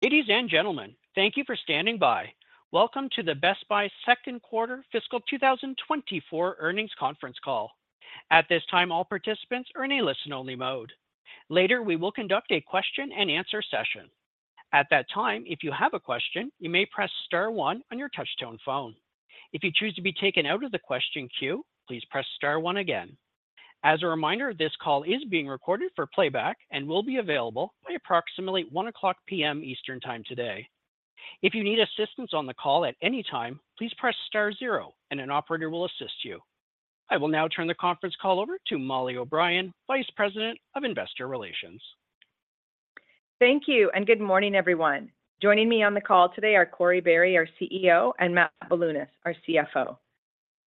Ladies and gentlemen, thank you for standing by. Welcome to the Best Buy second quarter fiscal 2024 earnings conference call. At this time, all participants are in a listen-only mode. Later, we will conduct a question and answer session. At that time, if you have a question, you may press star one on your touchtone phone. If you choose to be taken out of the question queue, please press star one again. As a reminder, this call is being recorded for playback and will be available by approximately 1:00 P.M. Eastern Time today. If you need assistance on the call at any time, please press star zero and an operator will assist you. I will now turn the conference call over to Mollie O'Brien, Vice President of Investor Relations. Thank you, and good morning, everyone. Joining me on the call today are Corie Barry, our CEO, and Matt Bilunas, our CFO.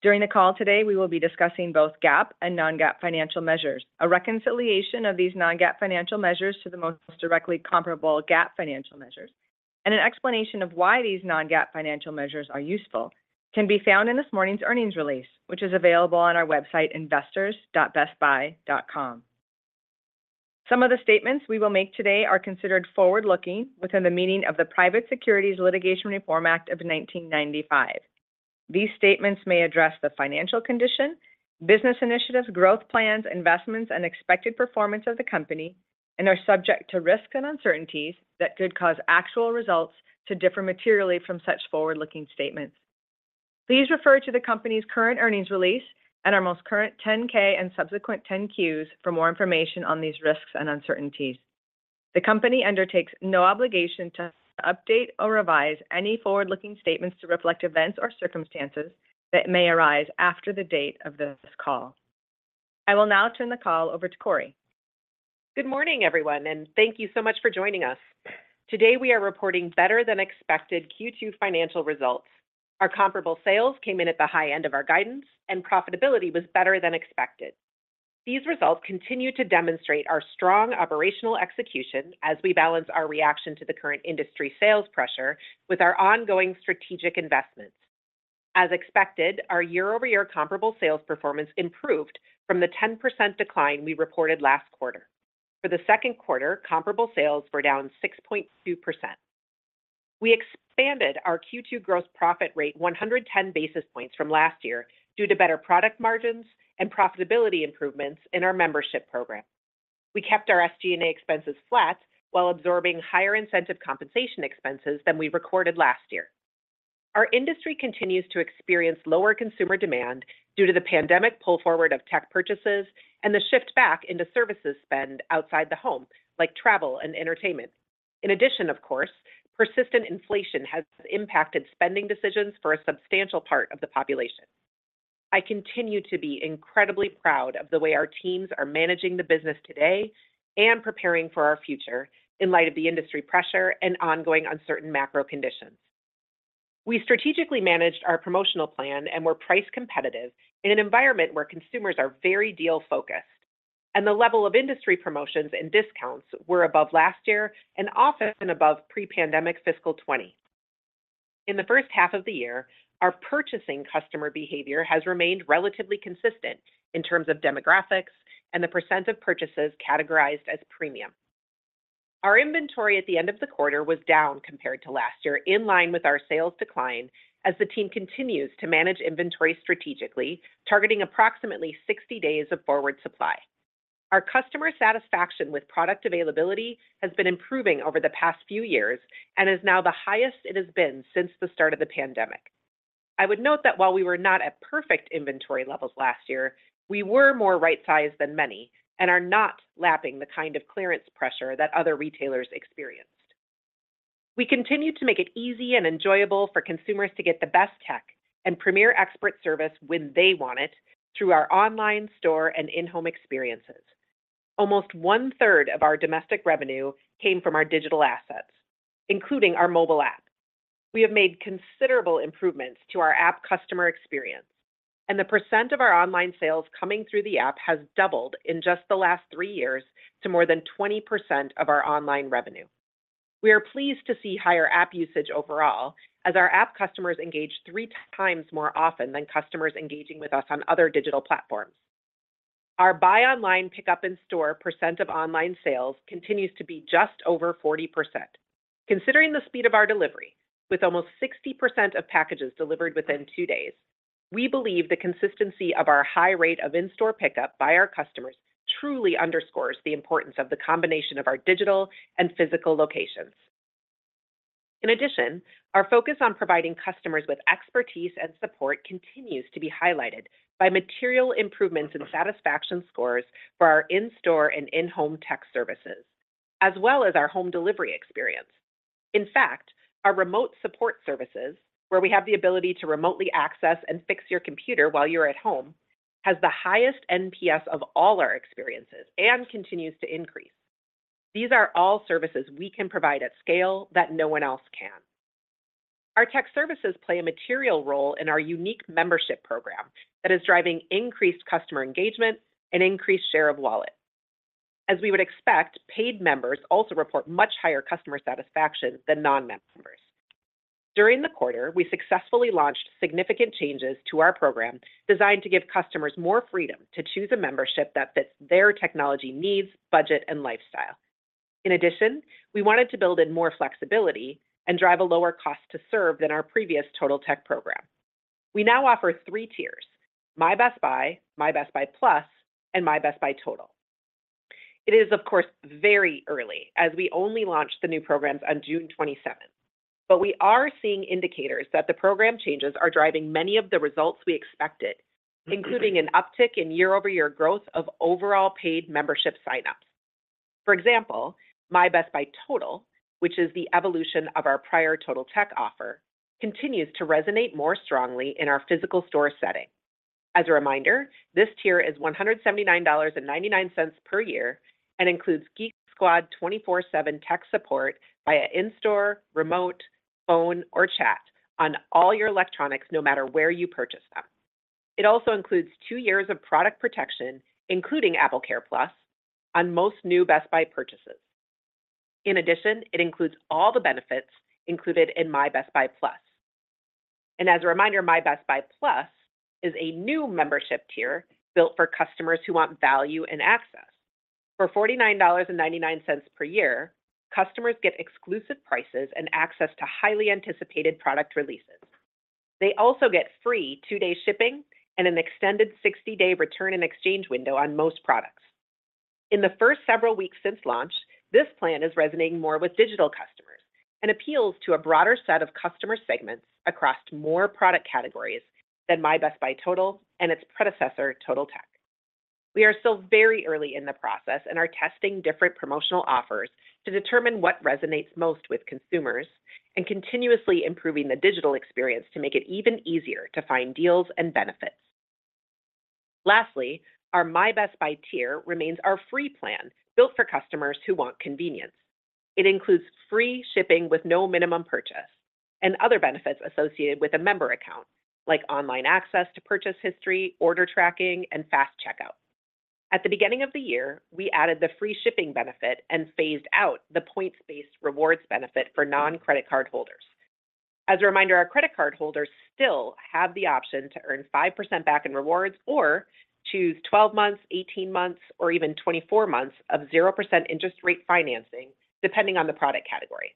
During the call today, we will be discussing both GAAP and non-GAAP financial measures. A reconciliation of these non-GAAP financial measures to the most directly comparable GAAP financial measures, and an explanation of why these non-GAAP financial measures are useful, can be found in this morning's earnings release, which is available on our website, investors.bestbuy.com. Some of the statements we will make today are considered forward-looking within the meaning of the Private Securities Litigation Reform Act of 1995. These statements may address the financial condition, business initiatives, growth plans, investments, and expected performance of the company, and are subject to risks and uncertainties that could cause actual results to differ materially from such forward-looking statements. Please refer to the company's current earnings release and our most current 10-K and subsequent 10-Qs for more information on these risks and uncertainties. The company undertakes no obligation to update or revise any forward-looking statements to reflect events or circumstances that may arise after the date of this call. I will now turn the call over to Corie. Good morning, everyone, and thank you so much for joining us. Today, we are reporting better-than-expected Q2 financial results. Our comparable sales came in at the high end of our guidance, and profitability was better than expected. These results continue to demonstrate our strong operational execution as we balance our reaction to the current industry sales pressure with our ongoing strategic investments. As expected, our year-over-year comparable sales performance improved from the 10% decline we reported last quarter. For the second quarter, comparable sales were down 6.2%. We expanded our Q2 gross profit rate 110 basis points from last year due to better product margins and profitability improvements in our membership program. We kept our SG&A expenses flat while absorbing higher incentive compensation expenses than we recorded last year. Our industry continues to experience lower consumer demand due to the pandemic pull forward of tech purchases and the shift back into services spend outside the home, like travel and entertainment. In addition, of course, persistent inflation has impacted spending decisions for a substantial part of the population. I continue to be incredibly proud of the way our teams are managing the business today and preparing for our future in light of the industry pressure and ongoing uncertain macro conditions. We strategically managed our promotional plan and were price competitive in an environment where consumers are very deal-focused, and the level of industry promotions and discounts were above last year and often above pre-pandemic fiscal 2020. In the first half of the year, our purchasing customer behavior has remained relatively consistent in terms of demographics and the percent of purchases categorized as premium. Our inventory at the end of the quarter was down compared to last year, in line with our sales decline, as the team continues to manage inventory strategically, targeting approximately 60 days of forward supply. Our customer satisfaction with product availability has been improving over the past few years and is now the highest it has been since the start of the pandemic. I would note that while we were not at perfect inventory levels last year, we were more right-sized than many and are not lapping the kind of clearance pressure that other retailers experienced. We continue to make it easy and enjoyable for consumers to get the best tech and premier expert service when they want it through our online store and in-home experiences. Almost one-third of our domestic revenue came from our digital assets, including our mobile app. We have made considerable improvements to our app customer experience, and the % of our online sales coming through the app has doubled in just the last three years to more than 20% of our online revenue. We are pleased to see higher app usage overall, as our app customers engage three times more often than customers engaging with us on other digital platforms. Our buy online, pickup in store % of online sales continues to be just over 40%. Considering the speed of our delivery, with almost 60% of packages delivered within two days, we believe the consistency of our high rate of in-store pickup by our customers truly underscores the importance of the combination of our digital and physical locations. In addition, our focus on providing customers with expertise and support continues to be highlighted by material improvements in satisfaction scores for our in-store and in-home tech services, as well as our home delivery experience. In fact, our remote support services, where we have the ability to remotely access and fix your computer while you're at home, has the highest NPS of all our experiences and continues to increase. These are all services we can provide at scale that no one else can. Our tech services play a material role in our unique membership program that is driving increased customer engagement and increased share of wallet. As we would expect, paid members also report much higher customer satisfaction than non-members. During the quarter, we successfully launched significant changes to our program, designed to give customers more freedom to choose a membership that fits their technology needs, budget, and lifestyle. In addition, we wanted to build in more flexibility and drive a lower cost to serve than our previous Totaltech program. We now offer three tiers: My Best Buy, My Best Buy Plus, and My Best Buy Total. It is, of course, very early, as we only launched the new programs on June 27th, but we are seeing indicators that the program changes are driving many of the results we expected, including an uptick in year-over-year growth of overall paid membership signups. For example, My Best Buy Total, which is the evolution of our prior Totaltech offer, continues to resonate more strongly in our physical store setting. As a reminder, this tier is $179.99 per year and includes Geek Squad 24/7 tech support via in-store, remote, phone, or chat on all your electronics, no matter where you purchased them. It also includes 2 years of product protection, including AppleCare+ on most new Best Buy purchases. In addition, it includes all the benefits included in My Best Buy Plus. As a reminder, My Best Buy Plus is a new membership tier built for customers who want value and access. For $49.99 per year, customers get exclusive prices and access to highly anticipated product releases. They also get free two-day shipping and an extended 60-day return and exchange window on most products. In the first several weeks since launch, this plan is resonating more with digital customers and appeals to a broader set of customer segments across more product categories than My Best Buy Total and its predecessor, Totaltech. We are still very early in the process and are testing different promotional offers to determine what resonates most with consumers and continuously improving the digital experience to make it even easier to find deals and benefits. Lastly, our My Best Buy tier remains our free plan, built for customers who want convenience. It includes free shipping with no minimum purchase and other benefits associated with a member account, like online access to purchase history, order tracking, and fast checkout. At the beginning of the year, we added the free shipping benefit and phased out the points-based rewards benefit for non-credit card holders. As a reminder, our credit card holders still have the option to earn 5% back in rewards or choose 12 months, 18 months, or even 24 months of 0% interest rate financing, depending on the product category.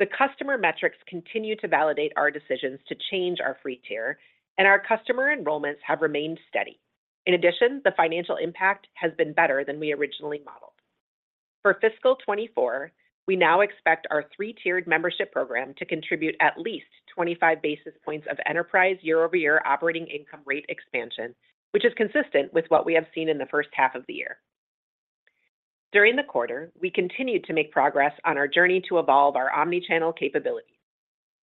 The customer metrics continue to validate our decisions to change our free tier, and our customer enrollments have remained steady. In addition, the financial impact has been better than we originally modeled. For fiscal 2024, we now expect our three-tiered membership program to contribute at least 25 basis points of enterprise year-over-year operating income rate expansion, which is consistent with what we have seen in the first half of the year. During the quarter, we continued to make progress on our journey to evolve our omnichannel capabilities.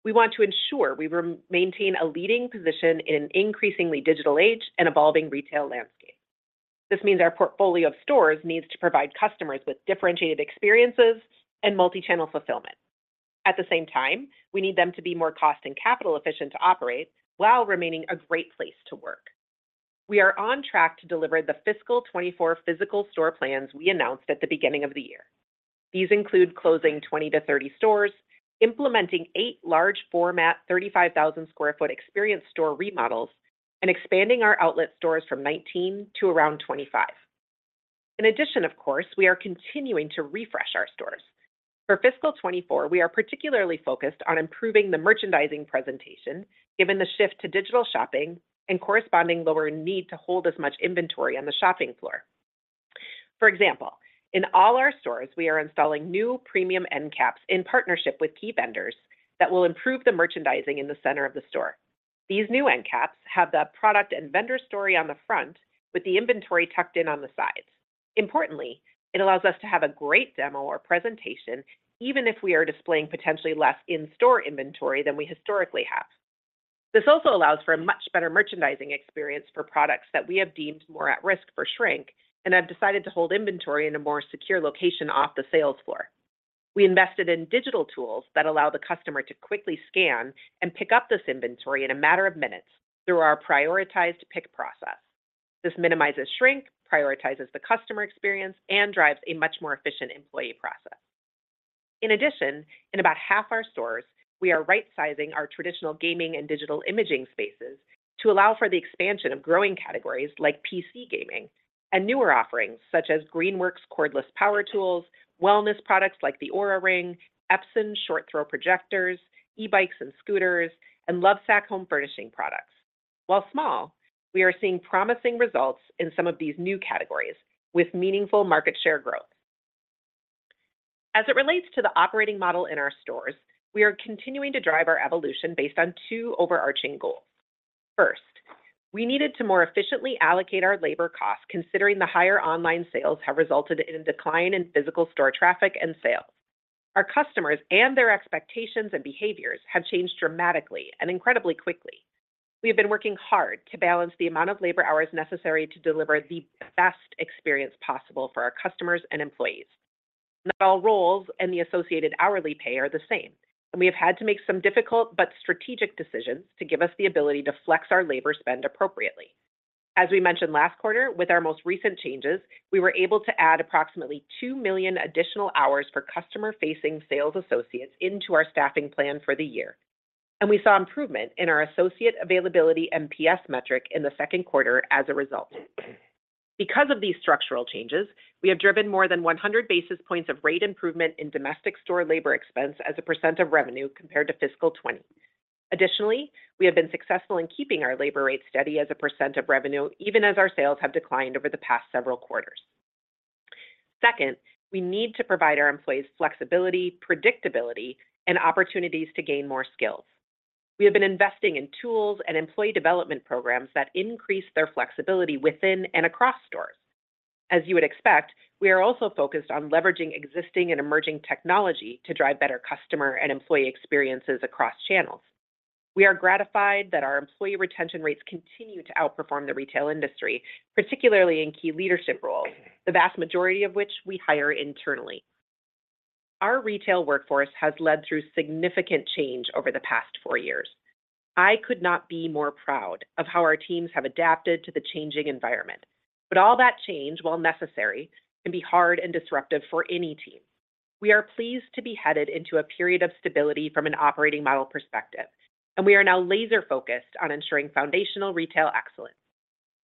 We want to ensure we maintain a leading position in an increasingly digital age and evolving retail landscape. This means our portfolio of stores needs to provide customers with differentiated experiences and multi-channel fulfillment. At the same time, we need them to be more cost and capital efficient to operate while remaining a great place to work. We are on track to deliver the fiscal 2024 physical store plans we announced at the beginning of the year. These include closing 20-30 stores, implementing 8 large format, 35,000 sq ft experience store remodels, and expanding our outlet stores from 19 to around 25. In addition, of course, we are continuing to refresh our stores. For fiscal 2024, we are particularly focused on improving the merchandising presentation, given the shift to digital shopping and corresponding lower need to hold as much inventory on the shopping floor. For example, in all our stores, we are installing new premium end caps in partnership with key vendors that will improve the merchandising in the center of the store. These new end caps have the product and vendor story on the front, with the inventory tucked in on the sides. Importantly, it allows us to have a great demo or presentation, even if we are displaying potentially less in-store inventory than we historically have. This also allows for a much better merchandising experience for products that we have deemed more at risk for shrink and have decided to hold inventory in a more secure location off the sales floor. We invested in digital tools that allow the customer to quickly scan and pick up this inventory in a matter of minutes through our prioritized pick process. This minimizes shrink, prioritizes the customer experience, and drives a much more efficient employee process. In addition, in about half our stores, we are right-sizing our traditional gaming and digital imaging spaces to allow for the expansion of growing categories like PC gaming and newer offerings such as Greenworks cordless power tools, wellness products like the Oura Ring, Epson short-throw projectors, e-bikes and scooters, and Lovesac home furnishing products. While small, we are seeing promising results in some of these new categories, with meaningful market share growth. As it relates to the operating model in our stores, we are continuing to drive our evolution based on two overarching goals. First, we needed to more efficiently allocate our labor costs, considering the higher online sales have resulted in a decline in physical store traffic and sales. Our customers and their expectations and behaviors have changed dramatically and incredibly quickly. We have been working hard to balance the amount of labor hours necessary to deliver the best experience possible for our customers and employees. Not all roles and the associated hourly pay are the same, and we have had to make some difficult but strategic decisions to give us the ability to flex our labor spend appropriately. As we mentioned last quarter, with our most recent changes, we were able to add approximately 2 million additional hours for customer-facing sales associates into our staffing plan for the year, and we saw improvement in our associate availability MPS metric in the second quarter as a result. Because of these structural changes, we have driven more than 100 basis points of rate improvement in domestic store labor expense as a % of revenue compared to fiscal 2020. Additionally, we have been successful in keeping our labor rate steady as a % of revenue, even as our sales have declined over the past several quarters. Second, we need to provide our employees flexibility, predictability, and opportunities to gain more skills. We have been investing in tools and employee development programs that increase their flexibility within and across stores. As you would expect, we are also focused on leveraging existing and emerging technology to drive better customer and employee experiences across channels. We are gratified that our employee retention rates continue to outperform the retail industry, particularly in key leadership roles, the vast majority of which we hire internally. Our retail workforce has led through significant change over the past four years. I could not be more proud of how our teams have adapted to the changing environment, but all that change, while necessary, can be hard and disruptive for any team. We are pleased to be headed into a period of stability from an operating model perspective, and we are now laser-focused on ensuring foundational retail excellence.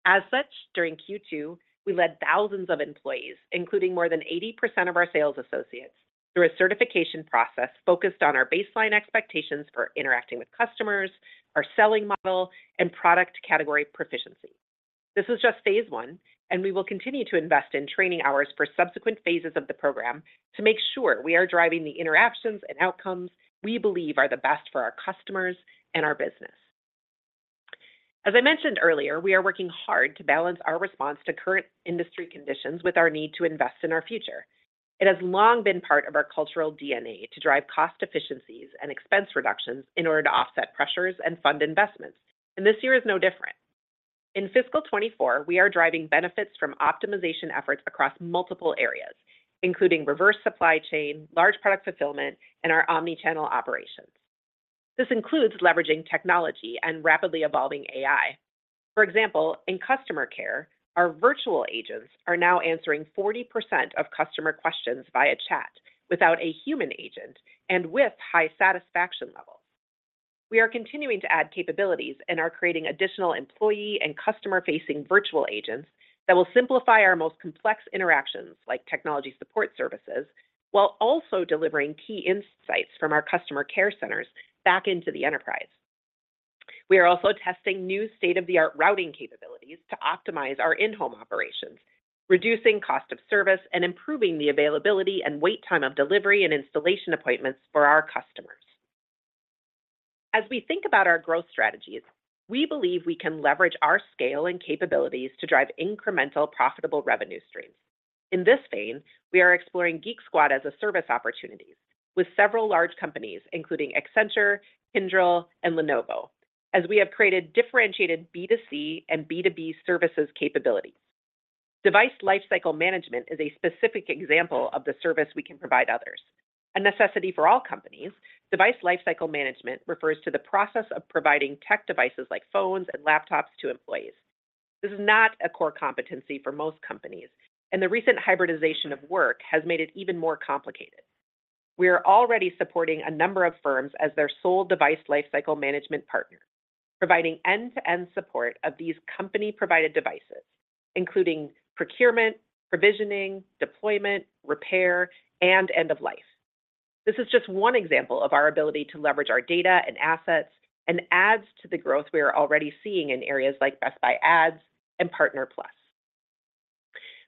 As such, during Q2, we led thousands of employees, including more than 80% of our sales associates, through a certification process focused on our baseline expectations for interacting with customers, our selling model, and product category proficiency. This is just phase one, and we will continue to invest in training hours for subsequent phases of the program to make sure we are driving the interactions and outcomes we believe are the best for our customers and our business. As I mentioned earlier, we are working hard to balance our response to current industry conditions with our need to invest in our future. It has long been part of our cultural DNA to drive cost efficiencies and expense reductions in order to offset pressures and fund investments, and this year is no different. In fiscal 2024, we are driving benefits from optimization efforts across multiple areas, including reverse supply chain, large product fulfillment, and our omni-channel operations. This includes leveraging technology and rapidly evolving AI. For example, in customer care, our virtual agents are now answering 40% of customer questions via chat without a human agent and with high satisfaction levels. We are continuing to add capabilities and are creating additional employee and customer-facing virtual agents that will simplify our most complex interactions, like technology support services, while also delivering key insights from our customer care centers back into the enterprise. We are also testing new state-of-the-art routing capabilities to optimize our in-home operations, reducing cost of service, and improving the availability and wait time of delivery and installation appointments for our customers. As we think about our growth strategies, we believe we can leverage our scale and capabilities to drive incremental, profitable revenue streams. In this vein, we are exploring Geek Squad as a service opportunity with several large companies, including Accenture, Kyndryl, and Lenovo, as we have created differentiated B2C and B2B services capabilities. Device lifecycle management is a specific example of the service we can provide others. A necessity for all companies, Device Lifecycle Management refers to the process of providing tech devices like phones and laptops to employees. This is not a core competency for most companies, and the recent hybridization of work has made it even more complicated. We are already supporting a number of firms as their sole Device Lifecycle Management partner, providing end-to-end support of these company-provided devices, including procurement, provisioning, deployment, repair, and end of life. This is just one example of our ability to leverage our data and assets and adds to the growth we are already seeing in areas like Best Buy Ads and Partner Plus.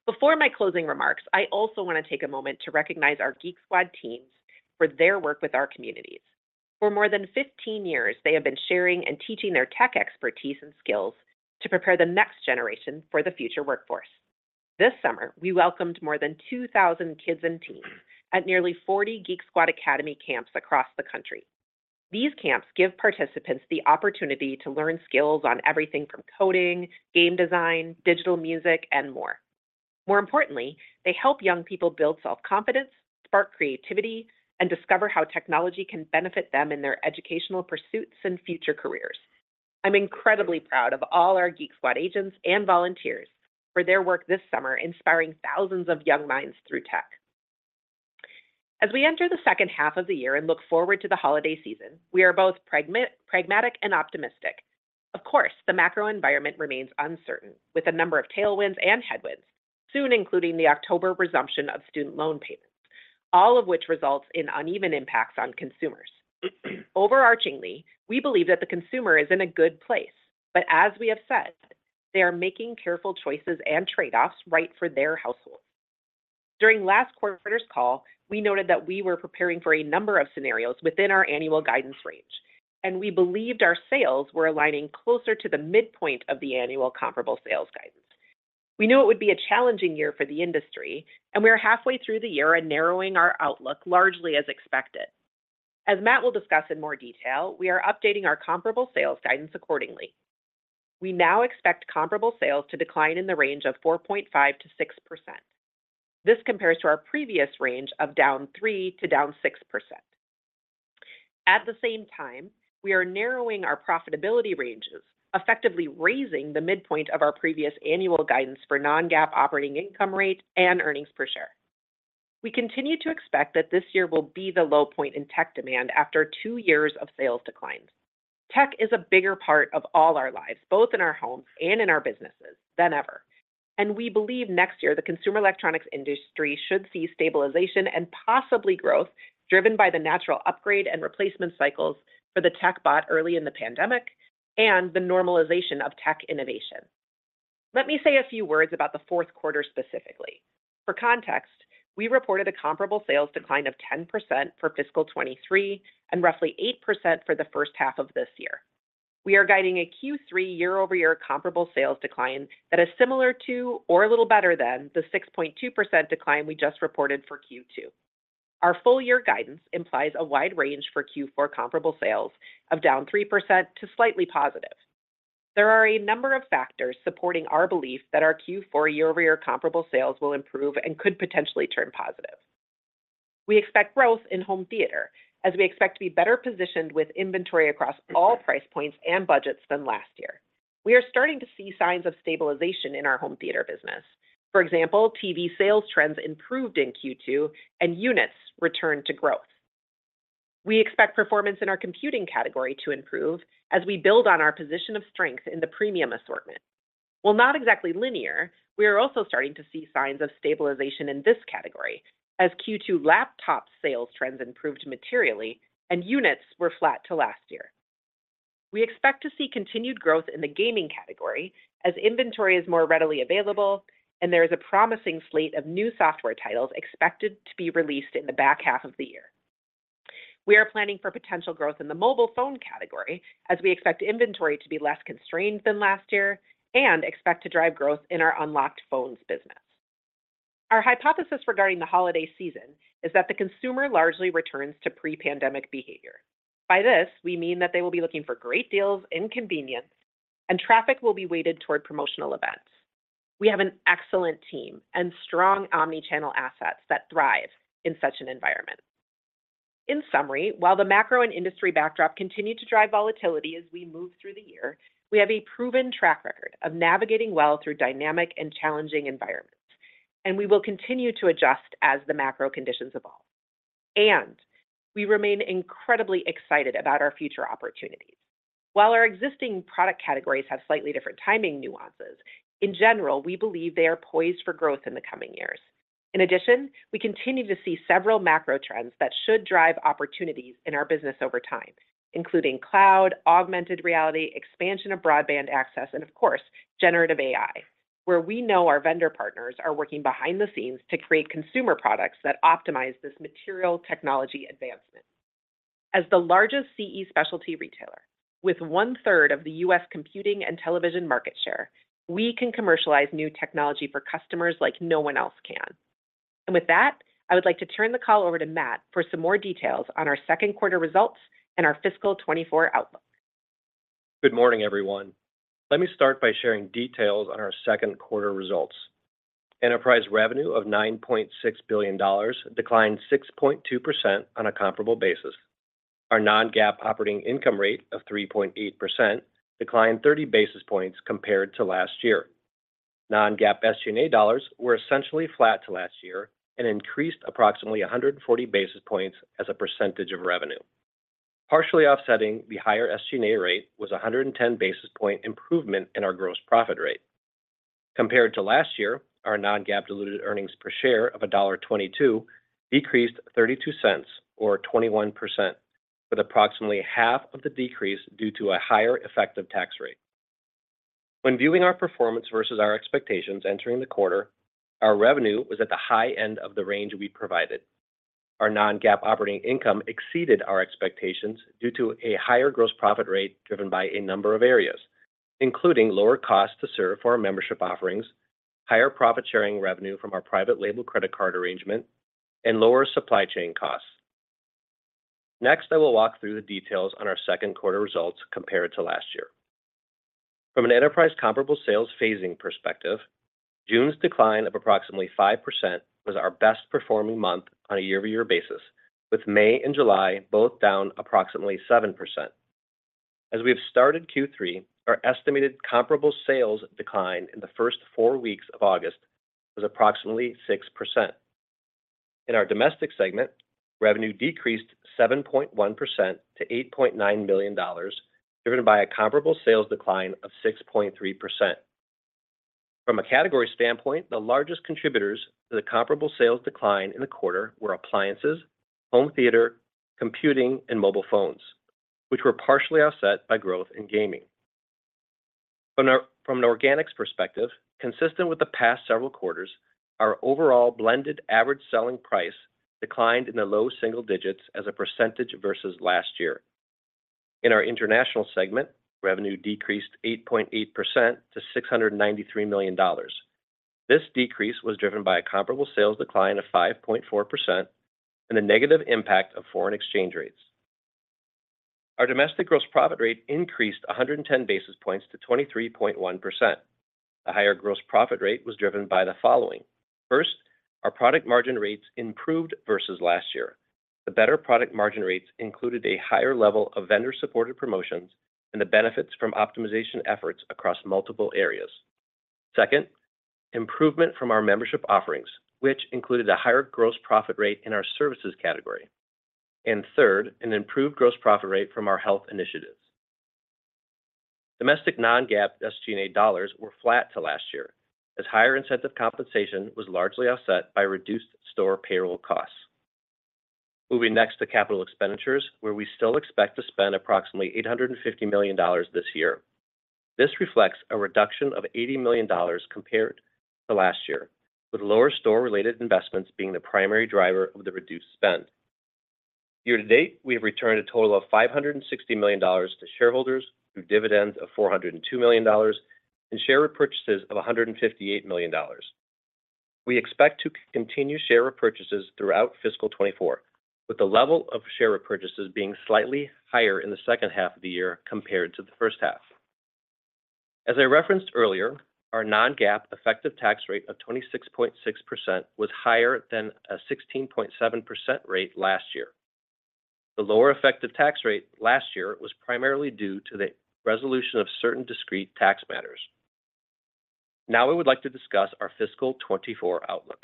Before my closing remarks, I also want to take a moment to recognize our Geek Squad teams for their work with our communities. For more than 15 years, they have been sharing and teaching their tech expertise and skills to prepare the next generation for the future workforce. This summer, we welcomed more than 2,000 kids and teens at nearly 40 Geek Squad Academy camps across the country. These camps give participants the opportunity to learn skills on everything from coding, game design, digital music, and more. More importantly, they help young people build self-confidence, spark creativity, and discover how technology can benefit them in their educational pursuits and future careers. I'm incredibly proud of all our Geek Squad agents and volunteers for their work this summer, inspiring thousands of young minds through tech. As we enter the second half of the year and look forward to the holiday season, we are both pragmatic and optimistic. Of course, the macro environment remains uncertain, with a number of tailwinds and headwinds, soon including the October resumption of student loan payments, all of which results in uneven impacts on consumers. Overarchingly, we believe that the consumer is in a good place, but as we have said, they are making careful choices and trade-offs right for their households. During last quarter's call, we noted that we were preparing for a number of scenarios within our annual guidance range, and we believed our sales were aligning closer to the midpoint of the annual comparable sales guidance. We knew it would be a challenging year for the industry, and we are halfway through the year and narrowing our outlook largely as expected. As Matt will discuss in more detail, we are updating our comparable sales guidance accordingly. We now expect comparable sales to decline in the range of 4.5%-6%. This compares to our previous range of down 3% to down 6%. At the same time, we are narrowing our profitability ranges, effectively raising the midpoint of our previous annual guidance for Non-GAAP operating income rate and earnings per share. We continue to expect that this year will be the low point in tech demand after 2 years of sales declines. Tech is a bigger part of all our lives, both in our homes and in our businesses than ever, and we believe next year, the consumer electronics industry should see stabilization and possibly growth, driven by the natural upgrade and replacement cycles for the tech bought early in the pandemic and the normalization of tech innovation. Let me say a few words about the fourth quarter specifically. For context, we reported a comparable sales decline of 10% for fiscal 2023, and roughly 8% for the first half of this year. We are guiding a Q3 year-over-year comparable sales decline that is similar to, or a little better than, the 6.2% decline we just reported for Q2. Our full year guidance implies a wide range for Q4 comparable sales of down 3% to slightly positive. There are a number of factors supporting our belief that our Q4 year-over-year comparable sales will improve and could potentially turn positive. We expect growth in home theater, as we expect to be better positioned with inventory across all price points and budgets than last year. We are starting to see signs of stabilization in our home theater business. For example, TV sales trends improved in Q2, and units returned to growth. We expect performance in our computing category to improve as we build on our position of strength in the premium assortment. While not exactly linear, we are also starting to see signs of stabilization in this category, as Q2 laptop sales trends improved materially and units were flat to last year. We expect to see continued growth in the gaming category as inventory is more readily available, and there is a promising slate of new software titles expected to be released in the back half of the year. We are planning for potential growth in the mobile phone category, as we expect inventory to be less constrained than last year, and expect to drive growth in our unlocked phones business. Our hypothesis regarding the holiday season is that the consumer largely returns to pre-pandemic behavior. By this, we mean that they will be looking for great deals and convenience, and traffic will be weighted toward promotional events. We have an excellent team and strong omni-channel assets that thrive in such an environment. In summary, while the macro and industry backdrop continue to drive volatility as we move through the year, we have a proven track record of navigating well through dynamic and challenging environments, and we will continue to adjust as the macro conditions evolve. We remain incredibly excited about our future opportunities. While our existing product categories have slightly different timing nuances, in general, we believe they are poised for growth in the coming years. In addition, we continue to see several macro trends that should drive opportunities in our business over time, including cloud, augmented reality, expansion of broadband access, and of course, generative AI, where we know our vendor partners are working behind the scenes to create consumer products that optimize this material technology advancement. As the largest CE specialty retailer, with one third of the U.S. computing and television market share, we can commercialize new technology for customers like no one else can. And with that, I would like to turn the call over to Matt for some more details on our second quarter results and our fiscal 2024 outlook. Good morning, everyone. Let me start by sharing details on our second quarter results. Enterprise revenue of $9.6 billion declined 6.2% on a comparable basis. Our non-GAAP operating income rate of 3.8% declined 30 basis points compared to last year. Non-GAAP SG&A dollars were essentially flat to last year and increased approximately 140 basis points as a percentage of revenue. Partially offsetting the higher SG&A rate was a 110 basis point improvement in our gross profit rate. Compared to last year, our non-GAAP diluted earnings per share of $1.22 decreased 32 cents or 21%, with approximately half of the decrease due to a higher effective tax rate. When viewing our performance versus our expectations entering the quarter, our revenue was at the high end of the range we provided. Our Non-GAAP operating income exceeded our expectations due to a higher gross profit rate, driven by a number of areas, including lower cost to serve for our membership offerings, higher profit sharing revenue from our private label credit card arrangement, and lower supply chain costs. Next, I will walk through the details on our second quarter results compared to last year. From an enterprise comparable sales phasing perspective, June's decline of approximately 5% was our best performing month on a year-over-year basis, with May and July both down approximately 7%. As we have started Q3, our estimated comparable sales decline in the first four weeks of August was approximately 6%. In our domestic segment, revenue decreased 7.1% to $8.9 million, driven by a comparable sales decline of 6.3%. From a category standpoint, the largest contributors to the comparable sales decline in the quarter were appliances, home theater, computing, and mobile phones, which were partially offset by growth in gaming. From an organics perspective, consistent with the past several quarters, our overall blended average selling price declined in the low single digits as a percentage versus last year. In our international segment, revenue decreased 8.8% to $693 million. This decrease was driven by a comparable sales decline of 5.4% and a negative impact of foreign exchange rates. Our domestic gross profit rate increased 110 basis points to 23.1%. The higher gross profit rate was driven by the following: First, our product margin rates improved versus last year. The better product margin rates included a higher level of vendor-supported promotions and the benefits from optimization efforts across multiple areas. Second, improvement from our membership offerings, which included a higher gross profit rate in our services category. Third, an improved gross profit rate from our health initiatives. Domestic non-GAAP SG&A dollars were flat to last year, as higher incentive compensation was largely offset by reduced store payroll costs. Moving next to capital expenditures, where we still expect to spend approximately $850 million this year. This reflects a reduction of $80 million compared to last year, with lower store-related investments being the primary driver of the reduced spend. Year to date, we have returned a total of $560 million to shareholders through dividends of $402 million and share repurchases of $158 million. We expect to continue share repurchases throughout fiscal 2024, with the level of share repurchases being slightly higher in the second half of the year compared to the first half. As I referenced earlier, our non-GAAP effective tax rate of 26.6% was higher than a 16.7% rate last year. The lower effective tax rate last year was primarily due to the resolution of certain discrete tax matters. Now, we would like to discuss our fiscal 2024 outlook.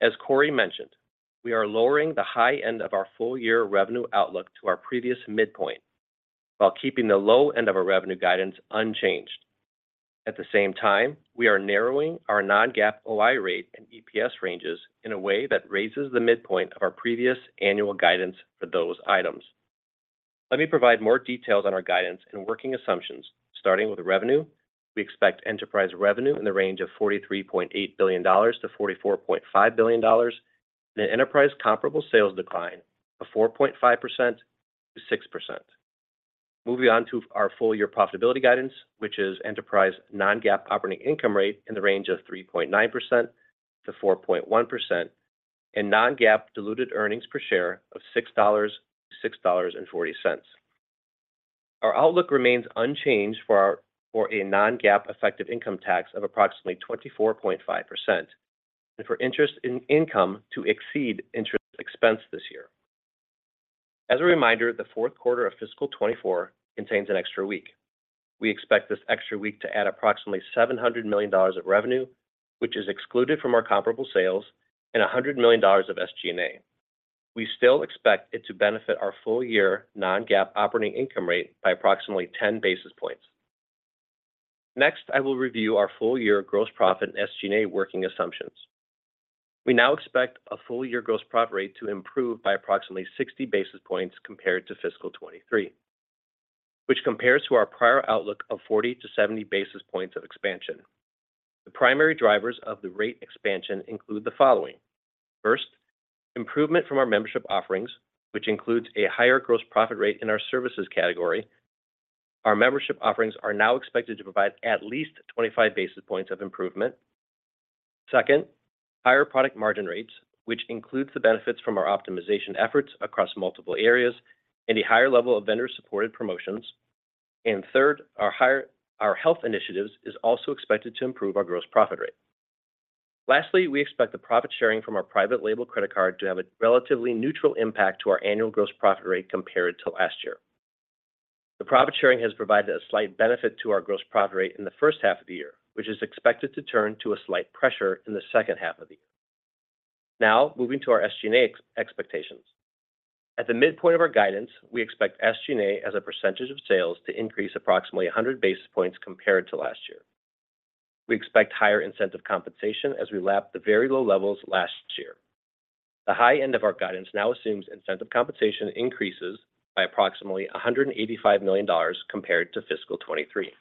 As Corie mentioned, we are lowering the high end of our full-year revenue outlook to our previous midpoint, while keeping the low end of our revenue guidance unchanged. At the same time, we are narrowing our non-GAAP OI rate and EPS ranges in a way that raises the midpoint of our previous annual guidance for those items. Let me provide more details on our guidance and working assumptions. Starting with revenue, we expect enterprise revenue in the range of $43.8 billion-$44.5 billion, and an enterprise comparable sales decline of 4.5%-6%. Moving on to our full-year profitability guidance, which is enterprise non-GAAP operating income rate in the range of 3.9%-4.1% and non-GAAP diluted earnings per share of $6-$6.40. Our outlook remains unchanged for a non-GAAP effective income tax of approximately 24.5%, and for interest income to exceed interest expense this year. As a reminder, the fourth quarter of fiscal 2024 contains an extra week. We expect this extra week to add approximately $700 million of revenue, which is excluded from our comparable sales, and $100 million of SG&A. We still expect it to benefit our full-year non-GAAP operating income rate by approximately 10 basis points. Next, I will review our full-year gross profit and SG&A working assumptions. We now expect a full-year gross profit rate to improve by approximately 60 basis points compared to fiscal 2023, which compares to our prior outlook of 40-70 basis points of expansion. The primary drivers of the rate expansion include the following: First, improvement from our membership offerings, which includes a higher gross profit rate in our services category. Our membership offerings are now expected to provide at least 25 basis points of improvement. Second, higher product margin rates, which includes the benefits from our optimization efforts across multiple areas and a higher level of vendor-supported promotions. And third, our higher health initiatives is also expected to improve our gross profit rate. Lastly, we expect the profit sharing from our private label credit card to have a relatively neutral impact to our annual gross profit rate compared to last year. The profit sharing has provided a slight benefit to our gross profit rate in the first half of the year, which is expected to turn to a slight pressure in the second half of the year. Now, moving to our SG&A expectations. At the midpoint of our guidance, we expect SG&A as a percentage of sales to increase approximately 100 basis points compared to last year. We expect higher incentive compensation as we lap the very low levels last year. The high end of our guidance now assumes incentive compensation increases by approximately $185 million compared to fiscal 2023.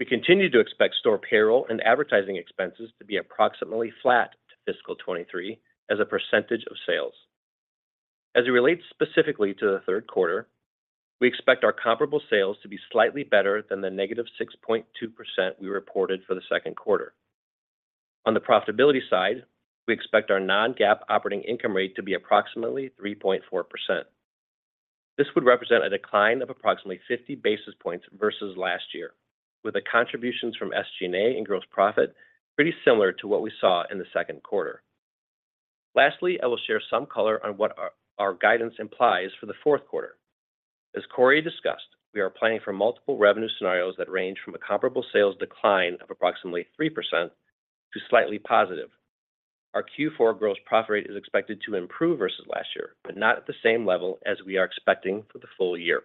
We continue to expect store payroll and advertising expenses to be approximately flat to fiscal 2023 as a percentage of sales. As it relates specifically to the third quarter, we expect our comparable sales to be slightly better than the -6.2% we reported for the second quarter. On the profitability side, we expect our non-GAAP operating income rate to be approximately 3.4%. This would represent a decline of approximately 50 basis points versus last year, with the contributions from SG&A and gross profit pretty similar to what we saw in the second quarter. Lastly, I will share some color on what our guidance implies for the fourth quarter. As Corie discussed, we are planning for multiple revenue scenarios that range from a comparable sales decline of approximately 3% to slightly positive. Our Q4 gross profit rate is expected to improve versus last year, but not at the same level as we are expecting for the full year.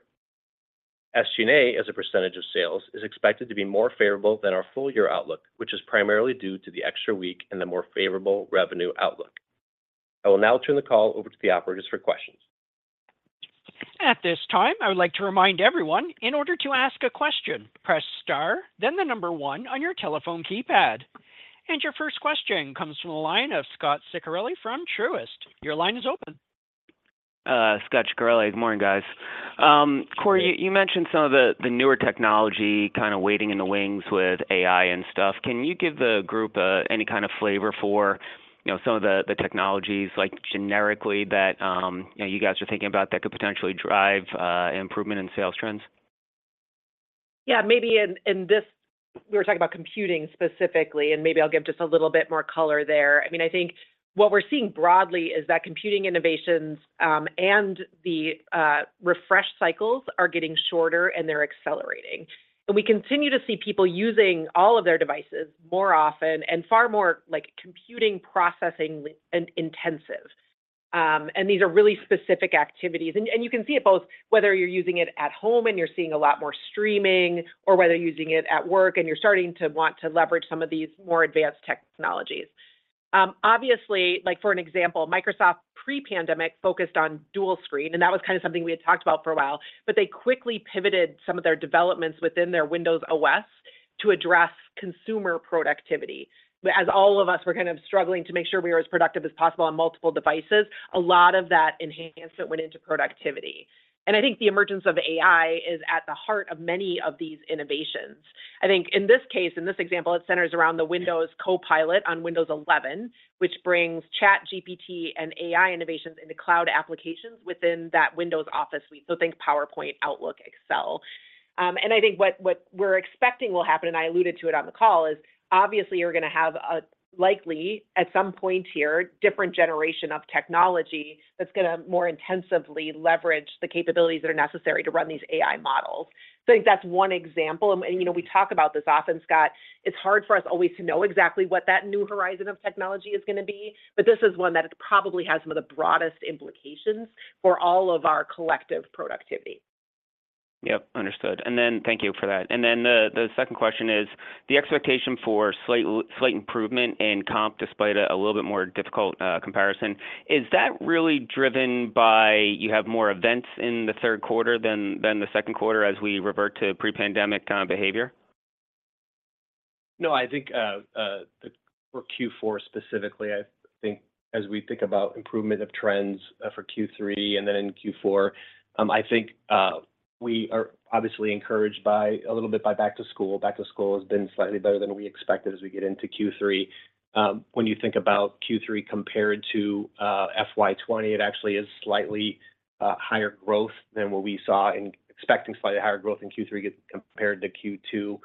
SG&A as a percentage of sales is expected to be more favorable than our full-year outlook, which is primarily due to the extra week and the more favorable revenue outlook. I will now turn the call over to the operators for questions. At this time, I would like to remind everyone, in order to ask a question, press star, then the number one on your telephone keypad. Your first question comes from the line of Scot Ciccarelli from Truist. Your line is open. Scot Ciccarelli. Good morning, guys. Corie, you, you mentioned some of the the newer technology kind of waiting in the wings with AI and stuff. Can you give the group any kind of flavor for, you know, some of the the technologies, like generically that you guys are thinking about that could potentially drive improvement in sales trends? Yeah, maybe in this, we were talking about computing specifically, and maybe I'll give just a little bit more color there. I mean, I think what we're seeing broadly is that computing innovations and the refresh cycles are getting shorter, and they're accelerating. We continue to see people using all of their devices more often and far more like computing, processing, and intensive. And these are really specific activities. And you can see it both whether you're using it at home, and you're seeing a lot more streaming, or whether you're using it at work, and you're starting to want to leverage some of these more advanced technologies. Obviously, like for an example, Microsoft pre-pandemic focused on dual screen, and that was kind of something we had talked about for a while, but they quickly pivoted some of their developments within their Windows OS to address consumer productivity. But as all of us were kind of struggling to make sure we were as productive as possible on multiple devices, a lot of that enhancement went into productivity. And I think the emergence of AI is at the heart of many of these innovations. I think in this case, in this example, it centers around the Windows Copilot on Windows 11, which brings ChatGPT and AI innovations into cloud applications within that Windows Office suite, so think PowerPoint, Outlook, Excel. And I think what we're expecting will happen, and I alluded to it on the call, is obviously you're gonna have a likely, at some point here, different generation of technology that's gonna more intensively leverage the capabilities that are necessary to run these AI models. So I think that's one example. You know, we talk about this often, Scott. It's hard for us always to know exactly what that new horizon of technology is gonna be, but this is one that probably has some of the broadest implications for all of our collective productivity. Yep, understood. Thank you for that. The second question is, the expectation for slight, slight improvement in comp, despite a little bit more difficult comparison, is that really driven by you have more events in the third quarter than the second quarter as we revert to pre-pandemic kind of behavior? No, I think, for Q4 specifically, I think as we think about improvement of trends, for Q3 and then in Q4, I think, we are obviously encouraged by a little bit by back to school. Back to school has been slightly better than we expected as we get into Q3. When you think about Q3 compared to FY 20, it actually is slightly higher growth than what we saw and expecting slightly higher growth in Q3 compared to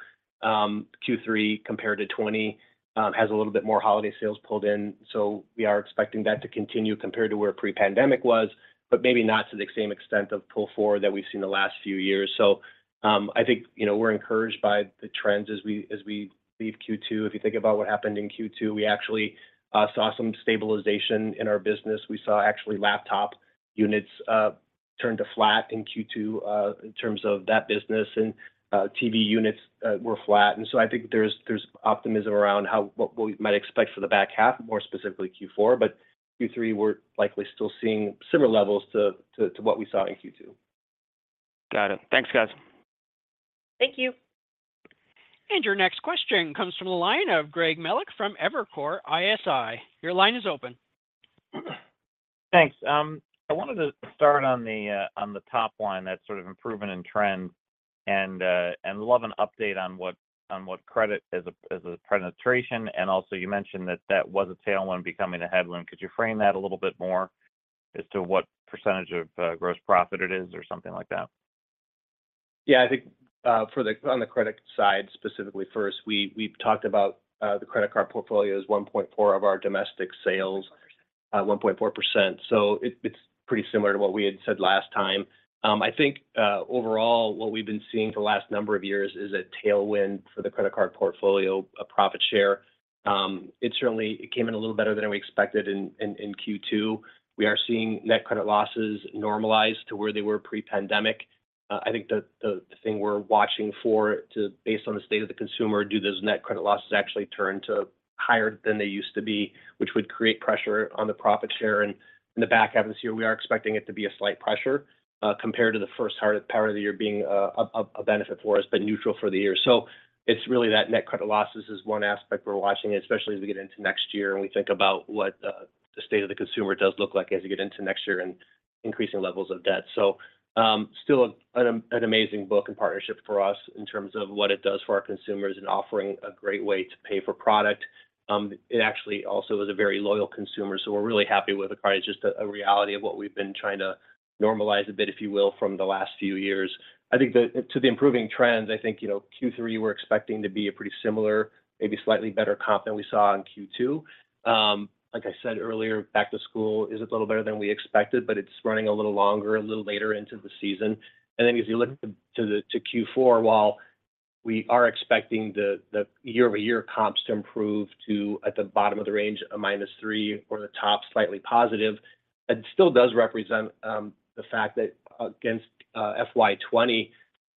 Q2. Q3, compared to 20, has a little bit more holiday sales pulled in, so we are expecting that to continue compared to where pre-pandemic was, but maybe not to the same extent of pull forward that we've seen the last few years. So, I think, you know, we're encouraged by the trends as we leave Q2. If you think about what happened in Q2, we actually saw some stabilization in our business. We saw actually laptop units turn to flat in Q2, in terms of that business, and TV units were flat. And so I think there's optimism around how what we might expect for the back half, more specifically Q4. But Q3, we're likely still seeing similar levels to what we saw in Q2. Got it. Thanks, guys. Thank you. Your next question comes from the line of Greg Melich from Evercore ISI. Your line is open. Thanks. I wanted to start on the top line, that sort of improvement in trend, and love an update on what credit as a penetration. Also you mentioned that that was a tailwind becoming a headwind. Could you frame that a little bit more as to what percentage of gross profit it is or something like that? Yeah, I think, for the, on the credit side, specifically first, we, we've talked about, the credit card portfolio is 1.4 of our domestic sales, 1.4%. So it, it's pretty similar to what we had said last time. I think, overall, what we've been seeing for the last number of years is a tailwind for the credit card portfolio, a profit share. It certainly came in a little better than we expected in Q2. We are seeing net credit losses normalize to where they were pre-pandemic. I think the thing we're watching for to, based on the state of the consumer, do those net credit losses actually turn to higher than they used to be, which would create pressure on the profit share? And in the back half of this year, we are expecting it to be a slight pressure, compared to the first half of the year being a benefit for us, but neutral for the year. So it's really that net credit losses is one aspect we're watching, especially as we get into next year and we think about what, the state of the consumer does look like as we get into next year and increasing levels of debt. So, still an amazing book and partnership for us in terms of what it does for our consumers and offering a great way to pay for product. It actually also is a very loyal consumer, so we're really happy with the card. It's just a reality of what we've been trying to normalize a bit, if you will, from the last few years. I think to the improving trends, I think, you know, Q3, we're expecting to be a pretty similar, maybe slightly better comp than we saw in Q2. Like I said earlier, back to school is a little better than we expected, but it's running a little longer, a little later into the season. And then as you look to the, to Q4, while we are expecting the, the year-over-year comps to improve to at the bottom of the range, a -3% or the top, slightly positive, it still does represent the fact that against FY 2020,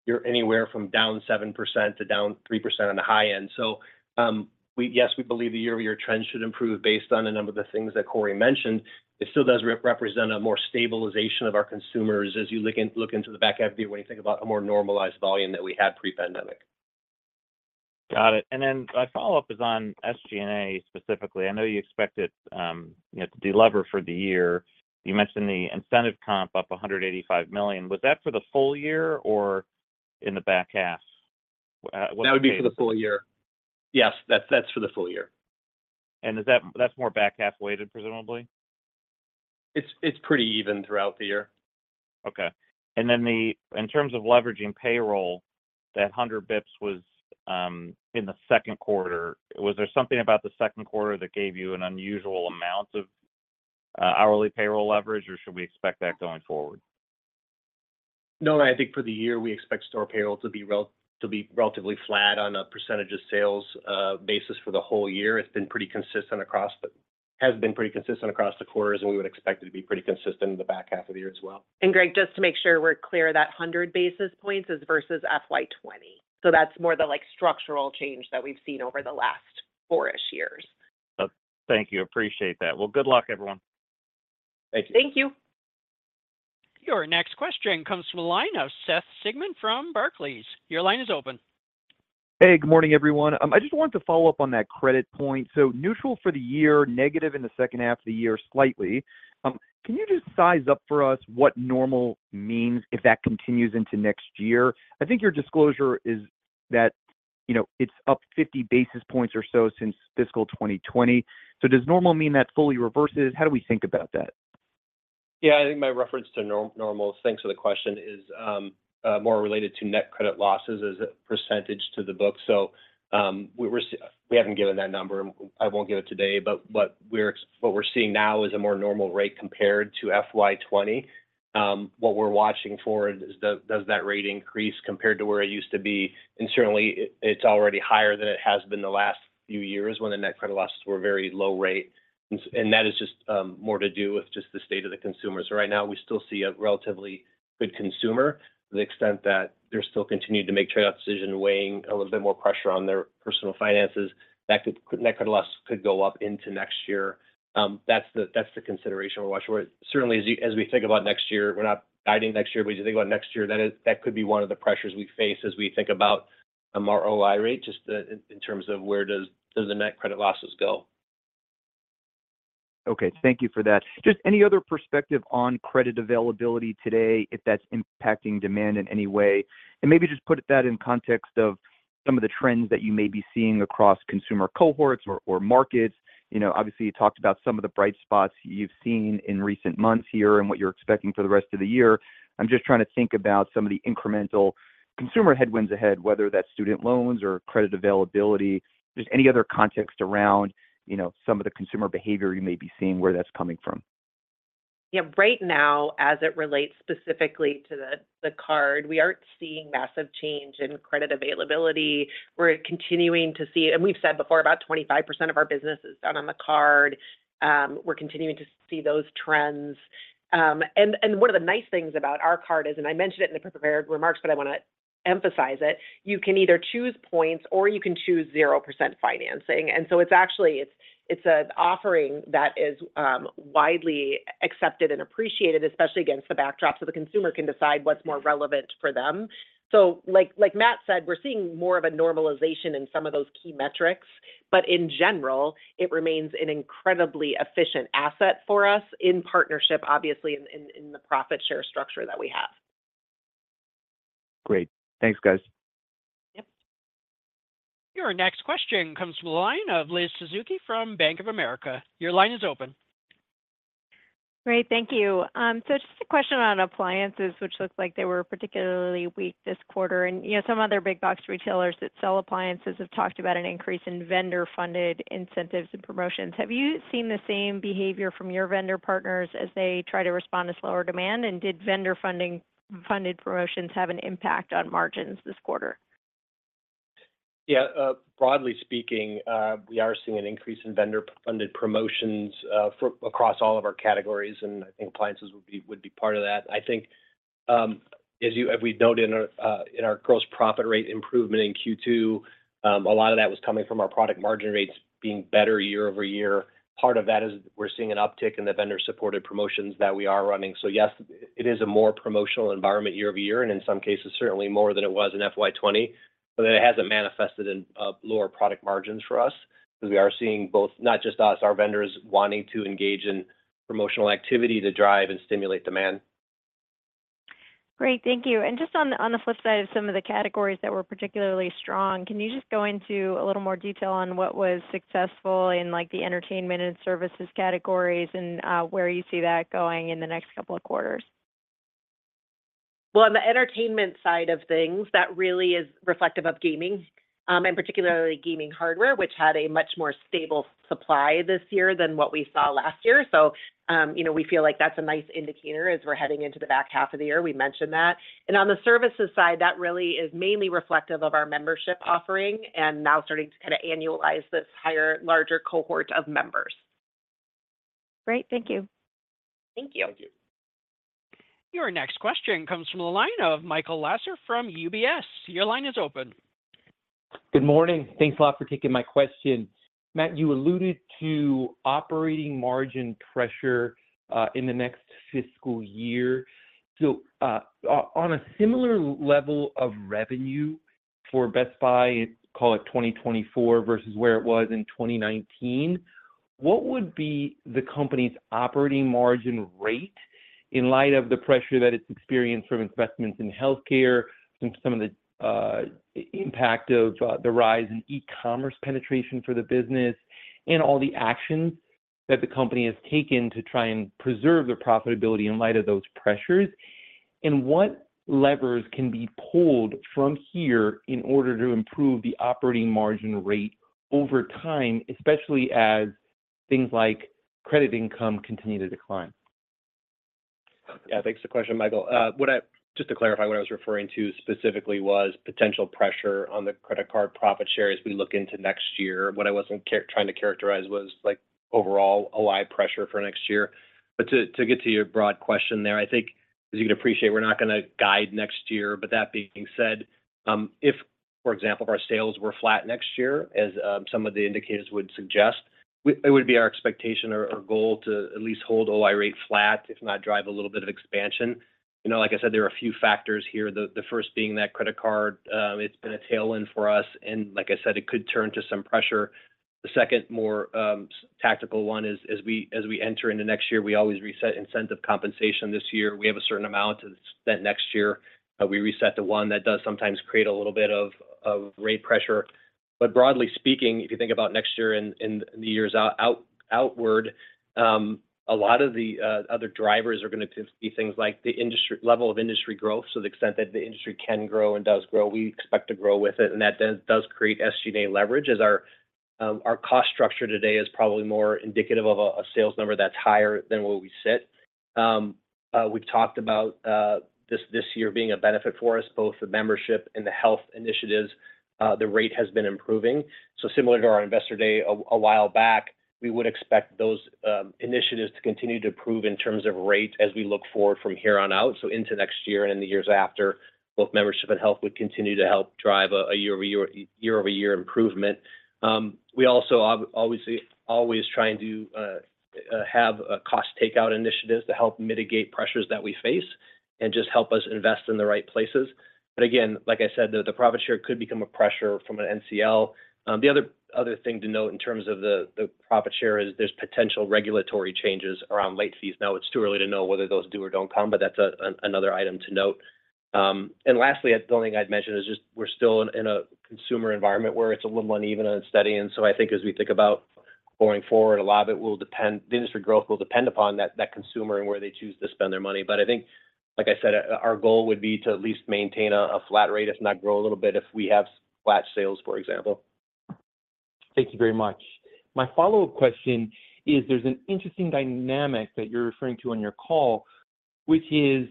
you're anywhere from down 7% to down 3% on the high end. So, yes, we believe the year-over-year trend should improve based on a number of the things that Corie mentioned. It still does represent a more stabilization of our consumers as you look into the back half of the year, when you think about a more normalized volume that we had pre-pandemic. Got it. And then my follow-up is on SG&A specifically. I know you expect it, you know, to delever for the year. You mentioned the incentive comp up $185 million. Was that for the full year or in the back half? What That would be for the full year. Yes, that's, that's for the full year. Is that, that's more back-half weighted, presumably? It's pretty even throughout the year. Okay, and then in terms of leveraging payroll, that 100 bips was in the second quarter. Was there something about the second quarter that gave you an unusual amount of hourly payroll leverage, or should we expect that going forward? No, I think for the year, we expect store payroll to be relatively flat on a percentage of sales basis for the whole year. It's been pretty consistent across the quarters, and we would expect it to be pretty consistent in the back half of the year as well. Greg, just to make sure we're clear, that 100 basis points is versus FY 2020, so that's more the, like, structural change that we've seen over the last four-ish years. Oh, thank you. Appreciate that. Well, good luck, everyone. Thank you. Thank you. Your next question comes from the line of Seth Sigman from Barclays. Your line is open. Hey, good morning, everyone. I just wanted to follow up on that credit point. So neutral for the year, negative in the second half of the year, slightly. Can you just size up for us what normal means if that continues into next year? I think your disclosure is that, you know, it's up 50 basis points or so since fiscal 2020. So does normal mean that fully reverses? How do we think about that? Yeah, I think my reference to normal, thanks for the question, is more related to net credit losses as a percentage to the book. So, we haven't given that number, and I won't give it today, but what we're seeing now is a more normal rate compared to FY 2020. What we're watching for is, does that rate increase compared to where it used to be? And certainly, it's already higher than it has been the last few years when the net credit losses were very low rate. And that is just more to do with just the state of the consumer. So right now, we still see a relatively good consumer to the extent that they're still continuing to make trade-off decisions, weighing a little bit more pressure on their personal finances. That could, net credit losses could go up into next year. That's the consideration we're watching. Certainly, as we think about next year, we're not guiding next year, but as you think about next year, that could be one of the pressures we face as we think about our OI rate, just in terms of where the net credit losses go. Okay. Thank you for that. Just any other perspective on credit availability today, if that's impacting demand in any way? Maybe just put that in context of some of the trends that you may be seeing across consumer cohorts or markets. You know, obviously, you talked about some of the bright spots you've seen in recent months here and what you're expecting for the rest of the year. I'm just trying to think about some of the incremental consumer headwinds ahead, whether that's student loans or credit availability. Just any other context around, you know, some of the consumer behavior you may be seeing, where that's coming from? Yeah. Right now, as it relates specifically to the card, we aren't seeing massive change in credit availability. We're continuing to see... And we've said before, about 25% of our business is done on the card. We're continuing to see those trends. And one of the nice things about our card is, and I mentioned it in the prepared remarks, but I want to emphasize it, you can either choose points or you can choose 0% financing. And so it's actually an offering that is widely accepted and appreciated, especially against the backdrop. So the consumer can decide what's more relevant for them. So, like, like Matt said, we're seeing more of a normalization in some of those key metrics, but in general, it remains an incredibly efficient asset for us in partnership, obviously, in the profit share structure that we have. Great. Thanks, guys. Yep. Your next question comes from the line of Liz Suzuki from Bank of America. Your line is open. Great. Thank you. So just a question on appliances, which looks like they were particularly weak this quarter. And, you know, some other big box retailers that sell appliances have talked about an increase in vendor-funded incentives and promotions. Have you seen the same behavior from your vendor partners as they try to respond to slower demand, and did vendor-funded promotions have an impact on margins this quarter? Yeah, broadly speaking, we are seeing an increase in vendor-funded promotions for across all of our categories, and I think appliances would be part of that. I think, as we noted in our gross profit rate improvement in Q2, a lot of that was coming from our product margin rates being better year-over-year. Part of that is we're seeing an uptick in the vendor-supported promotions that we are running. So yes, it is a more promotional environment year-over-year, and in some cases, certainly more than it was in FY 2020. But it hasn't manifested in lower product margins for us, because we are seeing both, not just us, our vendors wanting to engage in promotional activity to drive and stimulate demand. Great. Thank you. Just on the flip side of some of the categories that were particularly strong, can you just go into a little more detail on what was successful in, like, the entertainment and services categories and where you see that going in the next couple of quarters? Well, on the entertainment side of things, that really is reflective of gaming, and particularly gaming hardware, which had a much more stable supply this year than what we saw last year. So, you know, we feel like that's a nice indicator as we're heading into the back half of the year. We mentioned that. And on the services side, that really is mainly reflective of our membership offering, and now starting to kind of annualize this higher, larger cohort of members. Great. Thank you. Thank you. Thank you. Your next question comes from the line of Michael Lasser from UBS. Your line is open. Good morning. Thanks a lot for taking my question. Matt, you alluded to operating margin pressure in the next fiscal year. So, on a similar level of revenue for Best Buy, call it 2024 versus where it was in 2019, what would be the company's operating margin rate? in light of the pressure that it's experienced from investments in healthcare, and some of the impact of the rise in e-commerce penetration for the business, and all the actions that the company has taken to try and preserve their profitability in light of those pressures, and what levers can be pulled from here in order to improve the operating margin rate over time, especially as things like credit income continue to decline? Yeah, thanks for the question, Michael. What I was referring to specifically was potential pressure on the credit card profit share as we look into next year. What I wasn't trying to characterize was, like, overall OI pressure for next year. But to get to your broad question there, I think, as you'd appreciate, we're not gonna guide next year. But that being said, if, for example, our sales were flat next year, as some of the indicators would suggest, it would be our expectation or goal to at least hold OI rate flat, if not drive a little bit of expansion. You know, like I said, there are a few factors here. The first being that credit card, it's been a tailwind for us, and like I said, it could turn to some pressure. The second, more tactical one is, as we enter into next year, we always reset incentive compensation. This year, we have a certain amount that's spent next year, but we reset to one that does sometimes create a little bit of rate pressure. But broadly speaking, if you think about next year and the years outward, a lot of the other drivers are gonna be things like the industry-level of industry growth, to the extent that the industry can grow and does grow. We expect to grow with it, and that does create SG&A leverage, as our cost structure today is probably more indicative of a sales number that's higher than what we sit. We've talked about this year being a benefit for us, both the membership and the health initiatives, the rate has been improving. So similar to our Investor Day a while back, we would expect those initiatives to continue to improve in terms of rate as we look forward from here on out. So into next year and in the years after, both membership and health would continue to help drive a year-over-year improvement. We also obviously always trying to have cost takeout initiatives to help mitigate pressures that we face and just help us invest in the right places. But again, like I said, the profit share could become a pressure from an NCL. The other thing to note in terms of the profit share is there's potential regulatory changes around late fees. Now, it's too early to know whether those do or don't come, but that's another item to note. And lastly, the only thing I'd mention is just we're still in a consumer environment where it's a little uneven and steady. And so I think as we think about going forward, a lot of it will depend industry growth will depend upon that consumer and where they choose to spend their money. But I think, like I said, our goal would be to at least maintain a flat rate, if not grow a little bit, if we have flat sales, for example. Thank you very much. My follow-up question is, there's an interesting dynamic that you're referring to on your call, which is,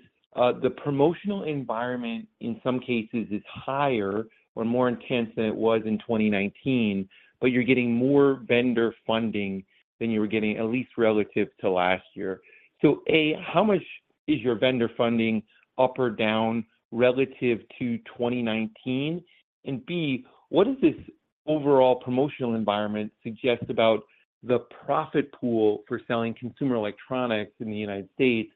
the promotional environment, in some cases, is higher or more intense than it was in 2019, but you're getting more vendor funding than you were getting, at least relative to last year. So, A, how much is your vendor funding up or down relative to 2019? And B, what does this overall promotional environment suggest about the profit pool for selling consumer electronics in the United States,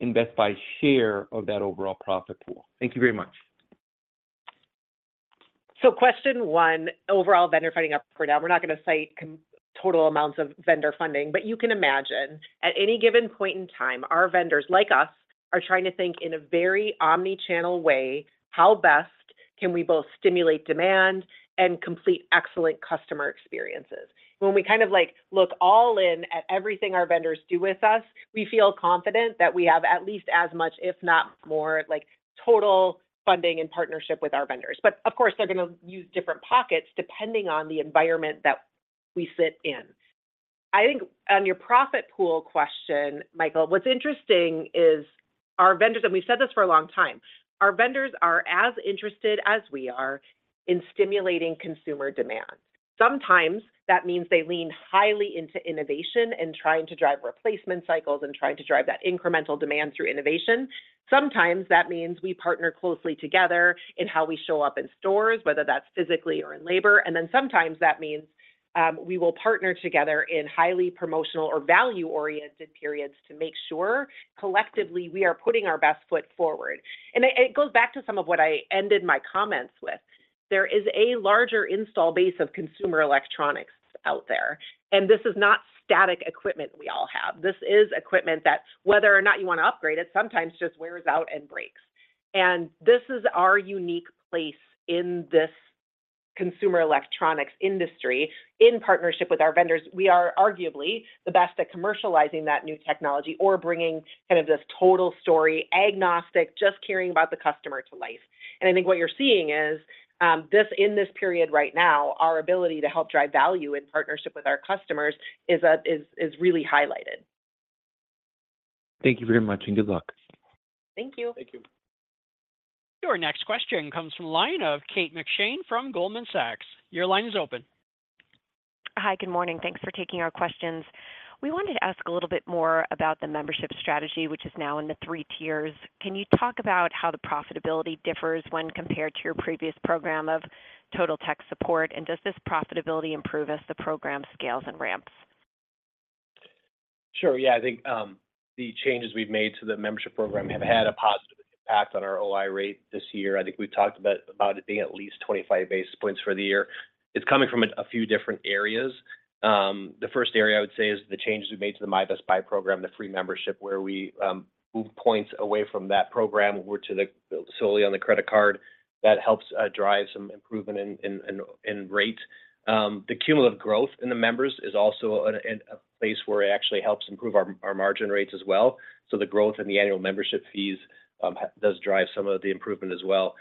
and Best Buy's share of that overall profit pool? Thank you very much. So question one, overall vendor funding up or down. We're not going to cite total amounts of vendor funding, but you can imagine, at any given point in time, our vendors, like us, are trying to think in a very omni-channel way, how best can we both stimulate demand and complete excellent customer experiences? When we kind of, like, look all in at everything our vendors do with us, we feel confident that we have at least as much, if not more, like, total funding and partnership with our vendors. But of course, they're gonna use different pockets, depending on the environment that we sit in. I think on your profit pool question, Michael, what's interesting is our vendors, and we've said this for a long time, our vendors are as interested as we are in stimulating consumer demand. Sometimes that means they lean highly into innovation and trying to drive replacement cycles and trying to drive that incremental demand through innovation. Sometimes that means we partner closely together in how we show up in stores, whether that's physically or in labor. And then sometimes that means we will partner together in highly promotional or value-oriented periods to make sure collectively we are putting our best foot forward. And it goes back to some of what I ended my comments with. There is a larger install base of consumer electronics out there, and this is not static equipment we all have. This is equipment that, whether or not you want to upgrade it, sometimes just wears out and breaks. And this is our unique place in this consumer electronics industry, in partnership with our vendors. We are arguably the best at commercializing that new technology or bringing kind of this total story, agnostic, just caring about the customer to life. And I think what you're seeing is this in this period right now, our ability to help drive value in partnership with our customers is really highlighted. Thank you very much, and good luck. Thank you. Thank you. Your next question comes from the line of Kate McShane from Goldman Sachs. Your line is open. Hi, good morning. Thanks for taking our questions. We wanted to ask a little bit more about the membership strategy, which is now in the three tiers. Can you talk about how the profitability differs when compared to your previous program of Total Tech Support? Does this profitability improve as the program scales and ramps? Sure, yeah. I think the changes we've made to the membership program have had a positive impact on our OI rate this year. I think we've talked about it being at least 25 basis points for the year. It's coming from a few different areas. The first area I would say is the changes we made to the My Best Buy program, the free membership, where we moved points away from that program over to solely on the credit card. That helps drive some improvement in rate. The cumulative growth in the members is also a place where it actually helps improve our margin rates as well. So the growth in the annual membership fees does drive some of the improvement as well.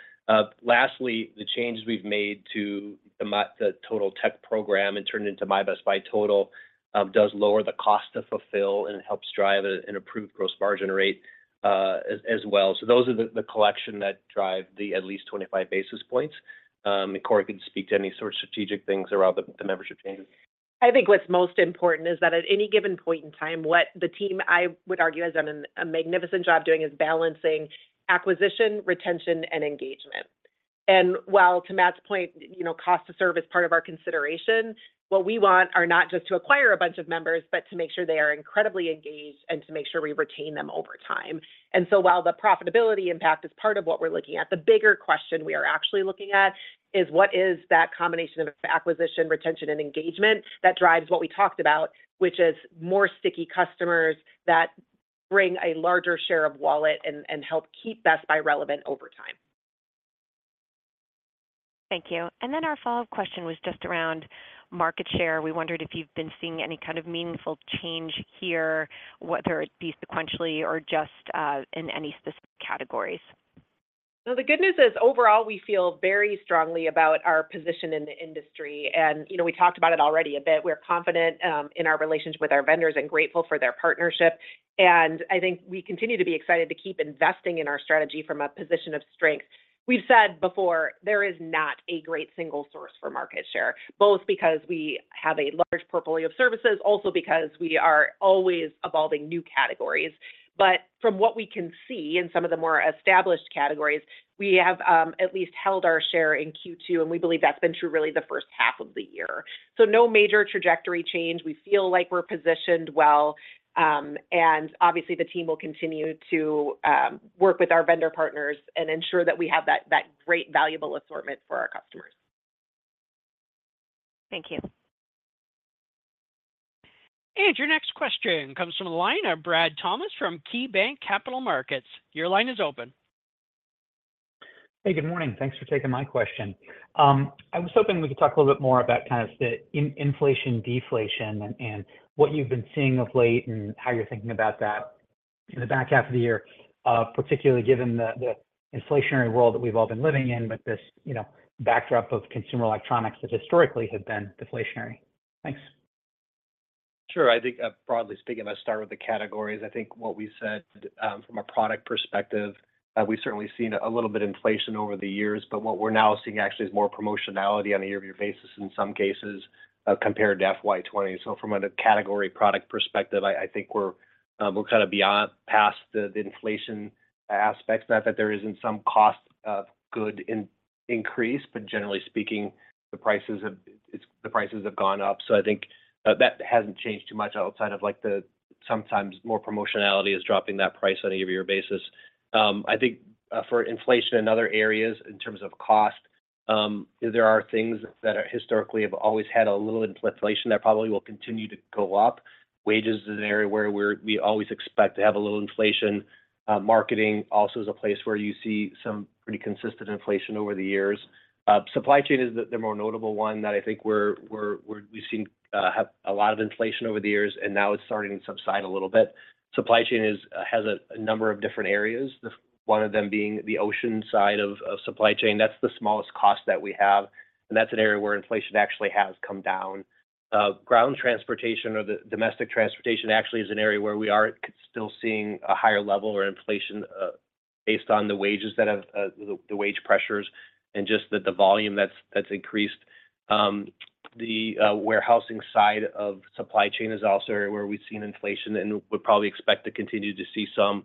Lastly, the changes we've made to the Total Tech program and turn it into My Best Buy Total does lower the cost to fulfill, and it helps drive an improved gross margin rate, as well. So those are the collection that drive the at least 25 basis points. And Corie can speak to any sort of strategic things around the membership changes. I think what's most important is that at any given point in time, what the team, I would argue, has done a magnificent job doing is balancing acquisition, retention, and engagement. And while to Matt's point, you know, cost to serve is part of our consideration, what we want are not just to acquire a bunch of members, but to make sure they are incredibly engaged and to make sure we retain them over time. And so while the profitability impact is part of what we're looking at, the bigger question we are actually looking at is what is that combination of acquisition, retention, and engagement that drives what we talked about, which is more sticky customers that bring a larger share of wallet and, and help keep Best Buy relevant over time? Thank you. And then our follow-up question was just around market share. We wondered if you've been seeing any kind of meaningful change here, whether it be sequentially or just in any specific categories? So the good news is, overall, we feel very strongly about our position in the industry, and, you know, we talked about it already a bit. We're confident in our relationship with our vendors and grateful for their partnership, and I think we continue to be excited to keep investing in our strategy from a position of strength. We've said before, there is not a great single source for market share, both because we have a large portfolio of services, also because we are always evolving new categories. But from what we can see in some of the more established categories, we have at least held our share in Q2, and we believe that's been true really the first half of the year. So no major trajectory change. We feel like we're positioned well, and obviously, the team will continue to work with our vendor partners and ensure that we have that great valuable assortment for our customers. Thank you. Your next question comes from the line of Brad Thomas from KeyBanc Capital Markets. Your line is open. Hey, good morning. Thanks for taking my question. I was hoping we could talk a little bit more about kind of the inflation, deflation and what you've been seeing of late and how you're thinking about that in the back half of the year, particularly given the inflationary world that we've all been living in with this, you know, backdrop of consumer electronics that historically have been deflationary. Thanks. Sure. I think, broadly speaking, let's start with the categories. I think what we said, from a product perspective, we've certainly seen a little bit inflation over the years, but what we're now seeing actually is more promotionality on a year-over-year basis in some cases, compared to FY 20. So from a category product perspective, I think we're kind of past the inflation aspects, not that there isn't some cost of goods increase, but generally speaking, the prices have gone up. So I think that hasn't changed too much outside of, like, the sometimes more promotionality is dropping that price on a year-over-year basis. I think for inflation in other areas, in terms of cost, there are things that are historically have always had a little inflation that probably will continue to go up. Wages is an area where we always expect to have a little inflation. Marketing also is a place where you see some pretty consistent inflation over the years. Supply chain is the more notable one that I think we're where we've seen have a lot of inflation over the years, and now it's starting to subside a little bit. Supply chain has a number of different areas, one of them being the ocean side of supply chain. That's the smallest cost that we have, and that's an area where inflation actually has come down. Ground transportation or the domestic transportation actually is an area where we are still seeing a higher level of inflation, based on the wage pressures and just the volume that's increased. The warehousing side of supply chain is also where we've seen inflation and would probably expect to continue to see some.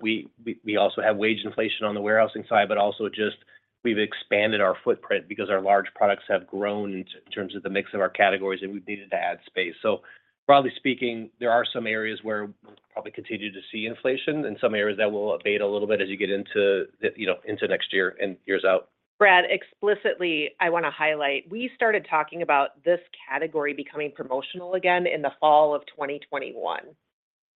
We also have wage inflation on the warehousing side, but also just we've expanded our footprint because our large products have grown in terms of the mix of our categories, and we've needed to add space. So broadly speaking, there are some areas where we'll probably continue to see inflation and some areas that will abate a little bit as you get into the, you know, into next year and years out. Brad, explicitly, I want to highlight, we started talking about this category becoming promotional again in the fall of 2021,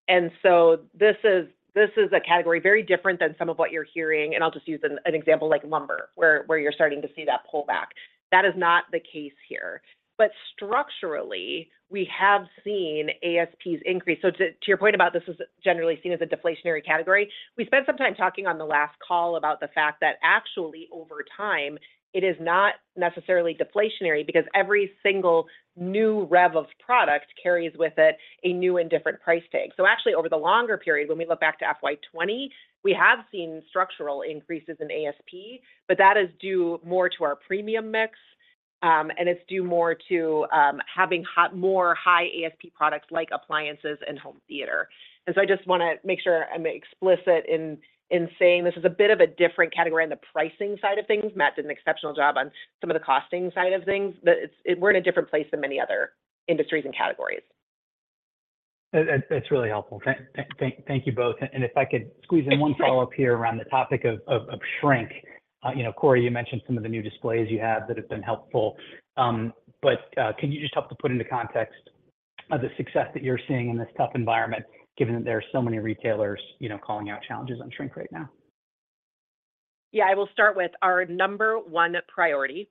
and so this is, this is a category very different than some of what you're hearing, and I'll just use an, an example, like lumber, where, where you're starting to see that pullback. That is not the case here. But structurally, we have seen ASPs increase. So to, to your point about this is generally seen as a deflationary category, we spent some time talking on the last call about the fact that actually, over time, it is not necessarily deflationary because every single new rev of product carries with it a new and different price tag. So actually, over the longer period, when we look back to FY 20, we have seen structural increases in ASP, but that is due more to our premium mix, and it's due more to having more high ASP products like appliances and home theater. And so I just want to make sure I'm explicit in saying this is a bit of a different category on the pricing side of things. Matt did an exceptional job on some of the costing side of things, but we're in a different place than many other industries and categories. That's really helpful. Thank you both. And if I could squeeze in one follow-up here around the topic of shrink. You know, Corie, you mentioned some of the new displays you have that have been helpful. But can you just help to put into context the success that you're seeing in this tough environment, given that there are so many retailers, you know, calling out challenges on shrink right now? Yeah, I will start with our number one priority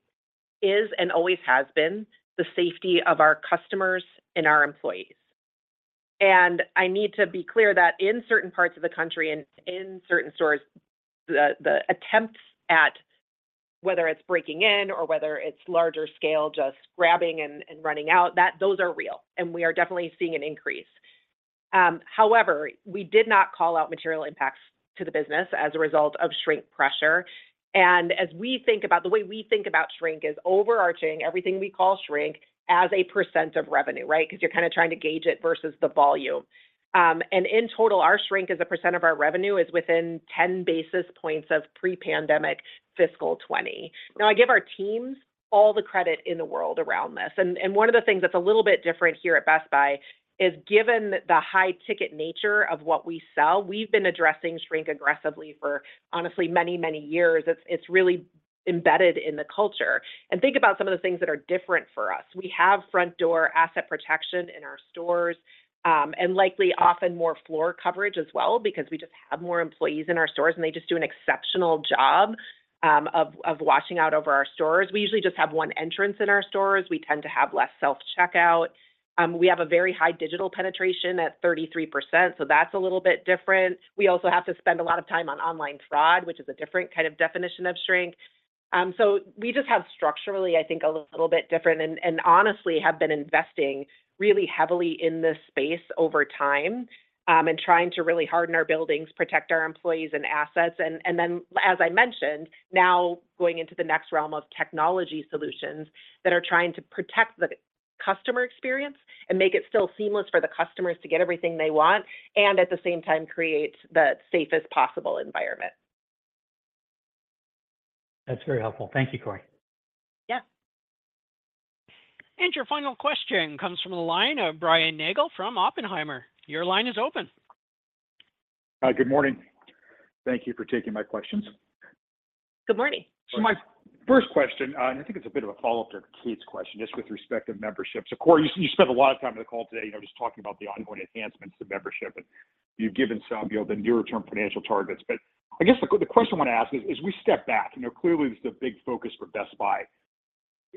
is, and always has been, the safety of our customers and our employees. And I need to be clear that in certain parts of the country and in certain stores, the attempts at whether it's breaking in or whether it's larger scale, just grabbing and running out, that those are real, and we are definitely seeing an increase. However, we did not call out material impacts to the business as a result of shrink pressure. And as we think about the way we think about shrink is overarching, everything we call shrink as a percent of revenue, right? Because you're kind of trying to gauge it versus the volume. And in total, our shrink as a percent of our revenue is within ten basis points of pre-pandemic fiscal 2020. Now, I give our teams all the credit in the world around this, and one of the things that's a little bit different here at Best Buy is, given the high ticket nature of what we sell, we've been addressing shrink aggressively for honestly, many, many years. It's really embedded in the culture. Think about some of the things that are different for us. We have front door asset protection in our stores, and likely often more floor coverage as well, because we just have more employees in our stores, and they just do an exceptional job of watching out over our stores. We usually just have one entrance in our stores. We tend to have less self-checkout. We have a very high digital penetration at 33%, so that's a little bit different. We also have to spend a lot of time on online fraud, which is a different kind of definition of shrink. So we just have structurally, I think, a little bit different, and honestly, have been investing really heavily in this space over time, and trying to really harden our buildings, protect our employees and assets. And then, as I mentioned, now going into the next realm of technology solutions that are trying to protect the customer experience and make it still seamless for the customers to get everything they want, and at the same time, create the safest possible environment. That's very helpful. Thank you, Corie. Yeah. Your final question comes from the line of Brian Nagel from Oppenheimer. Your line is open. Hi, good morning. Thank you for taking my questions. Good morning. So my first question, and I think it's a bit of a follow-up to Kate's question, just with respect to memberships. Of course, you spent a lot of time on the call today, you know, just talking about the ongoing enhancements to membership, and you've given some, you know, the nearer term financial targets. But I guess the question I want to ask is, as we step back, you know, clearly, this is a big focus for Best Buy.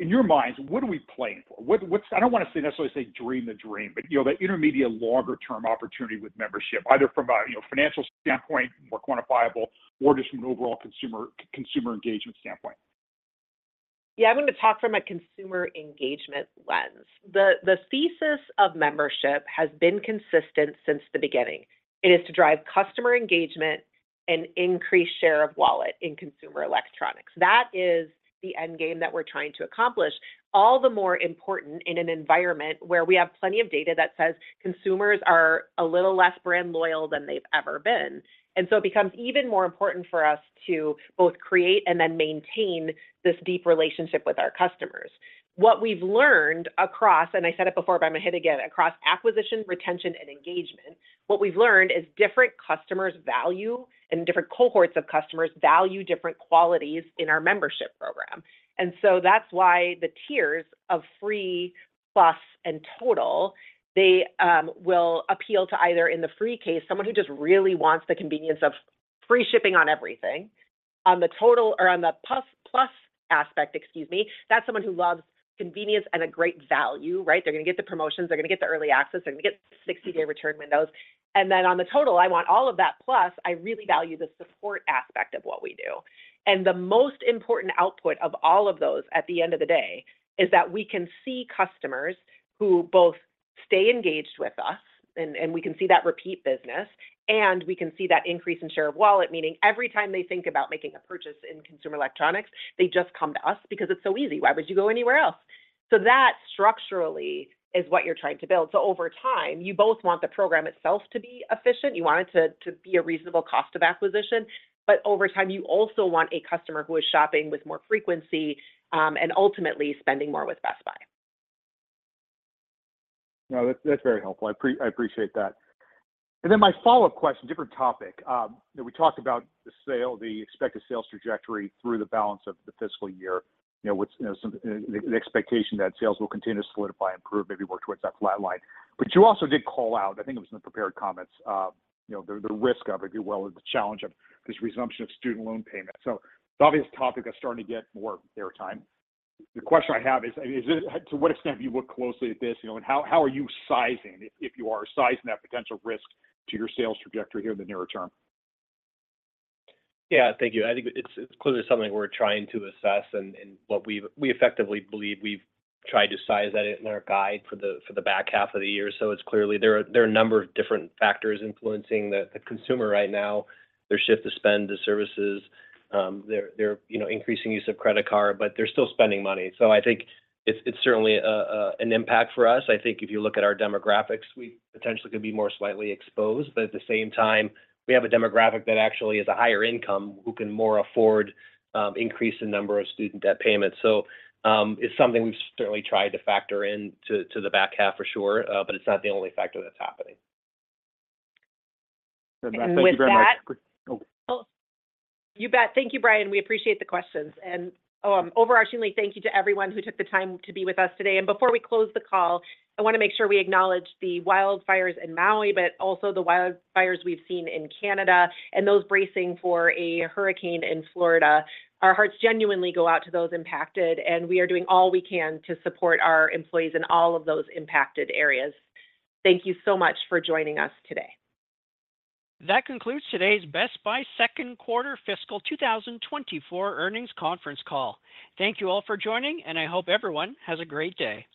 In your minds, what are we playing for? What, what's- I don't want to say, necessarily say dream the dream, but, you know, that intermediate longer term opportunity with membership, either from a, you know, financial standpoint, more quantifiable, or just from an overall consumer engagement standpoint. Yeah, I'm going to talk from a consumer engagement lens. The thesis of membership has been consistent since the beginning. It is to drive customer engagement and increase share of wallet in consumer electronics. That is the end game that we're trying to accomplish. All the more important in an environment where we have plenty of data that says consumers are a little less brand loyal than they've ever been. And so it becomes even more important for us to both create and then maintain this deep relationship with our customers. What we've learned across, and I said it before, but I'm going to hit again, across acquisition, retention, and engagement, what we've learned is different customers value and different cohorts of customers value different qualities in our membership program. So that's why the tiers of Free, Plus, and Total, they will appeal to either, in the Free case, someone who just really wants the convenience of free shipping on everything. On the Total or on the Plus, Plus aspect, excuse me, that's someone who loves convenience and a great value, right? They're going to get the promotions, they're going to get the early access, they're going to get 60-day return windows. Then on the Total, I want all of that, plus I really value the support aspect of what we do. The most important output of all of those at the end of the day is that we can see customers who both stay engaged with us, and we can see that repeat business, and we can see that increase in share of wallet, meaning every time they think about making a purchase in consumer electronics, they just come to us because it's so easy. Why would you go anywhere else? So that, structurally, is what you're trying to build. So over time, you both want the program itself to be efficient, you want it to be a reasonable cost of acquisition, but over time, you also want a customer who is shopping with more frequency, and ultimately spending more with Best Buy. No, that's very helpful. I appreciate that. And then my follow-up question, different topic. We talked about the sale, the expected sales trajectory through the balance of the fiscal year, you know, with, you know, some, the expectation that sales will continue to solidify, improve, maybe work towards that flat line. But you also did call out, I think it was in the prepared comments, you know, the risk of, if you will, the challenge of this resumption of student loan payments. So it's obvious topic that's starting to get more airtime. The question I have is, to what extent do you look closely at this, you know, and how are you sizing, if you are, sizing that potential risk to your sales trajectory here in the nearer term? Yeah, thank you. I think it's, it's clearly something we're trying to assess, and, and what we've, we effectively believe we've tried to size that in our guide for the, for the back half of the year. So it's clearly there are, there are a number of different factors influencing the, the consumer right now, their shift to spend to services, their, their, you know, increasing use of credit card, but they're still spending money. So I think it's, it's certainly a, a, an impact for us. I think if you look at our demographics, we potentially could be more slightly exposed, but at the same time, we have a demographic that actually is a higher income, who can more afford, increase in number of student debt payments. So, it's something we've certainly tried to factor into the back half for sure, but it's not the only factor that's happening. Thank you very much. And with that, You bet. Thank you, Brian. We appreciate the questions. Overarchingly, thank you to everyone who took the time to be with us today. Before we close the call, I want to make sure we acknowledge the wildfires in Maui, but also the wildfires we've seen in Canada and those bracing for a hurricane in Florida. Our hearts genuinely go out to those impacted, and we are doing all we can to support our employees in all of those impacted areas. Thank you so much for joining us today. That concludes today's Best Buy second quarter fiscal 2024 earnings conference call. Thank you all for joining, and I hope everyone has a great day.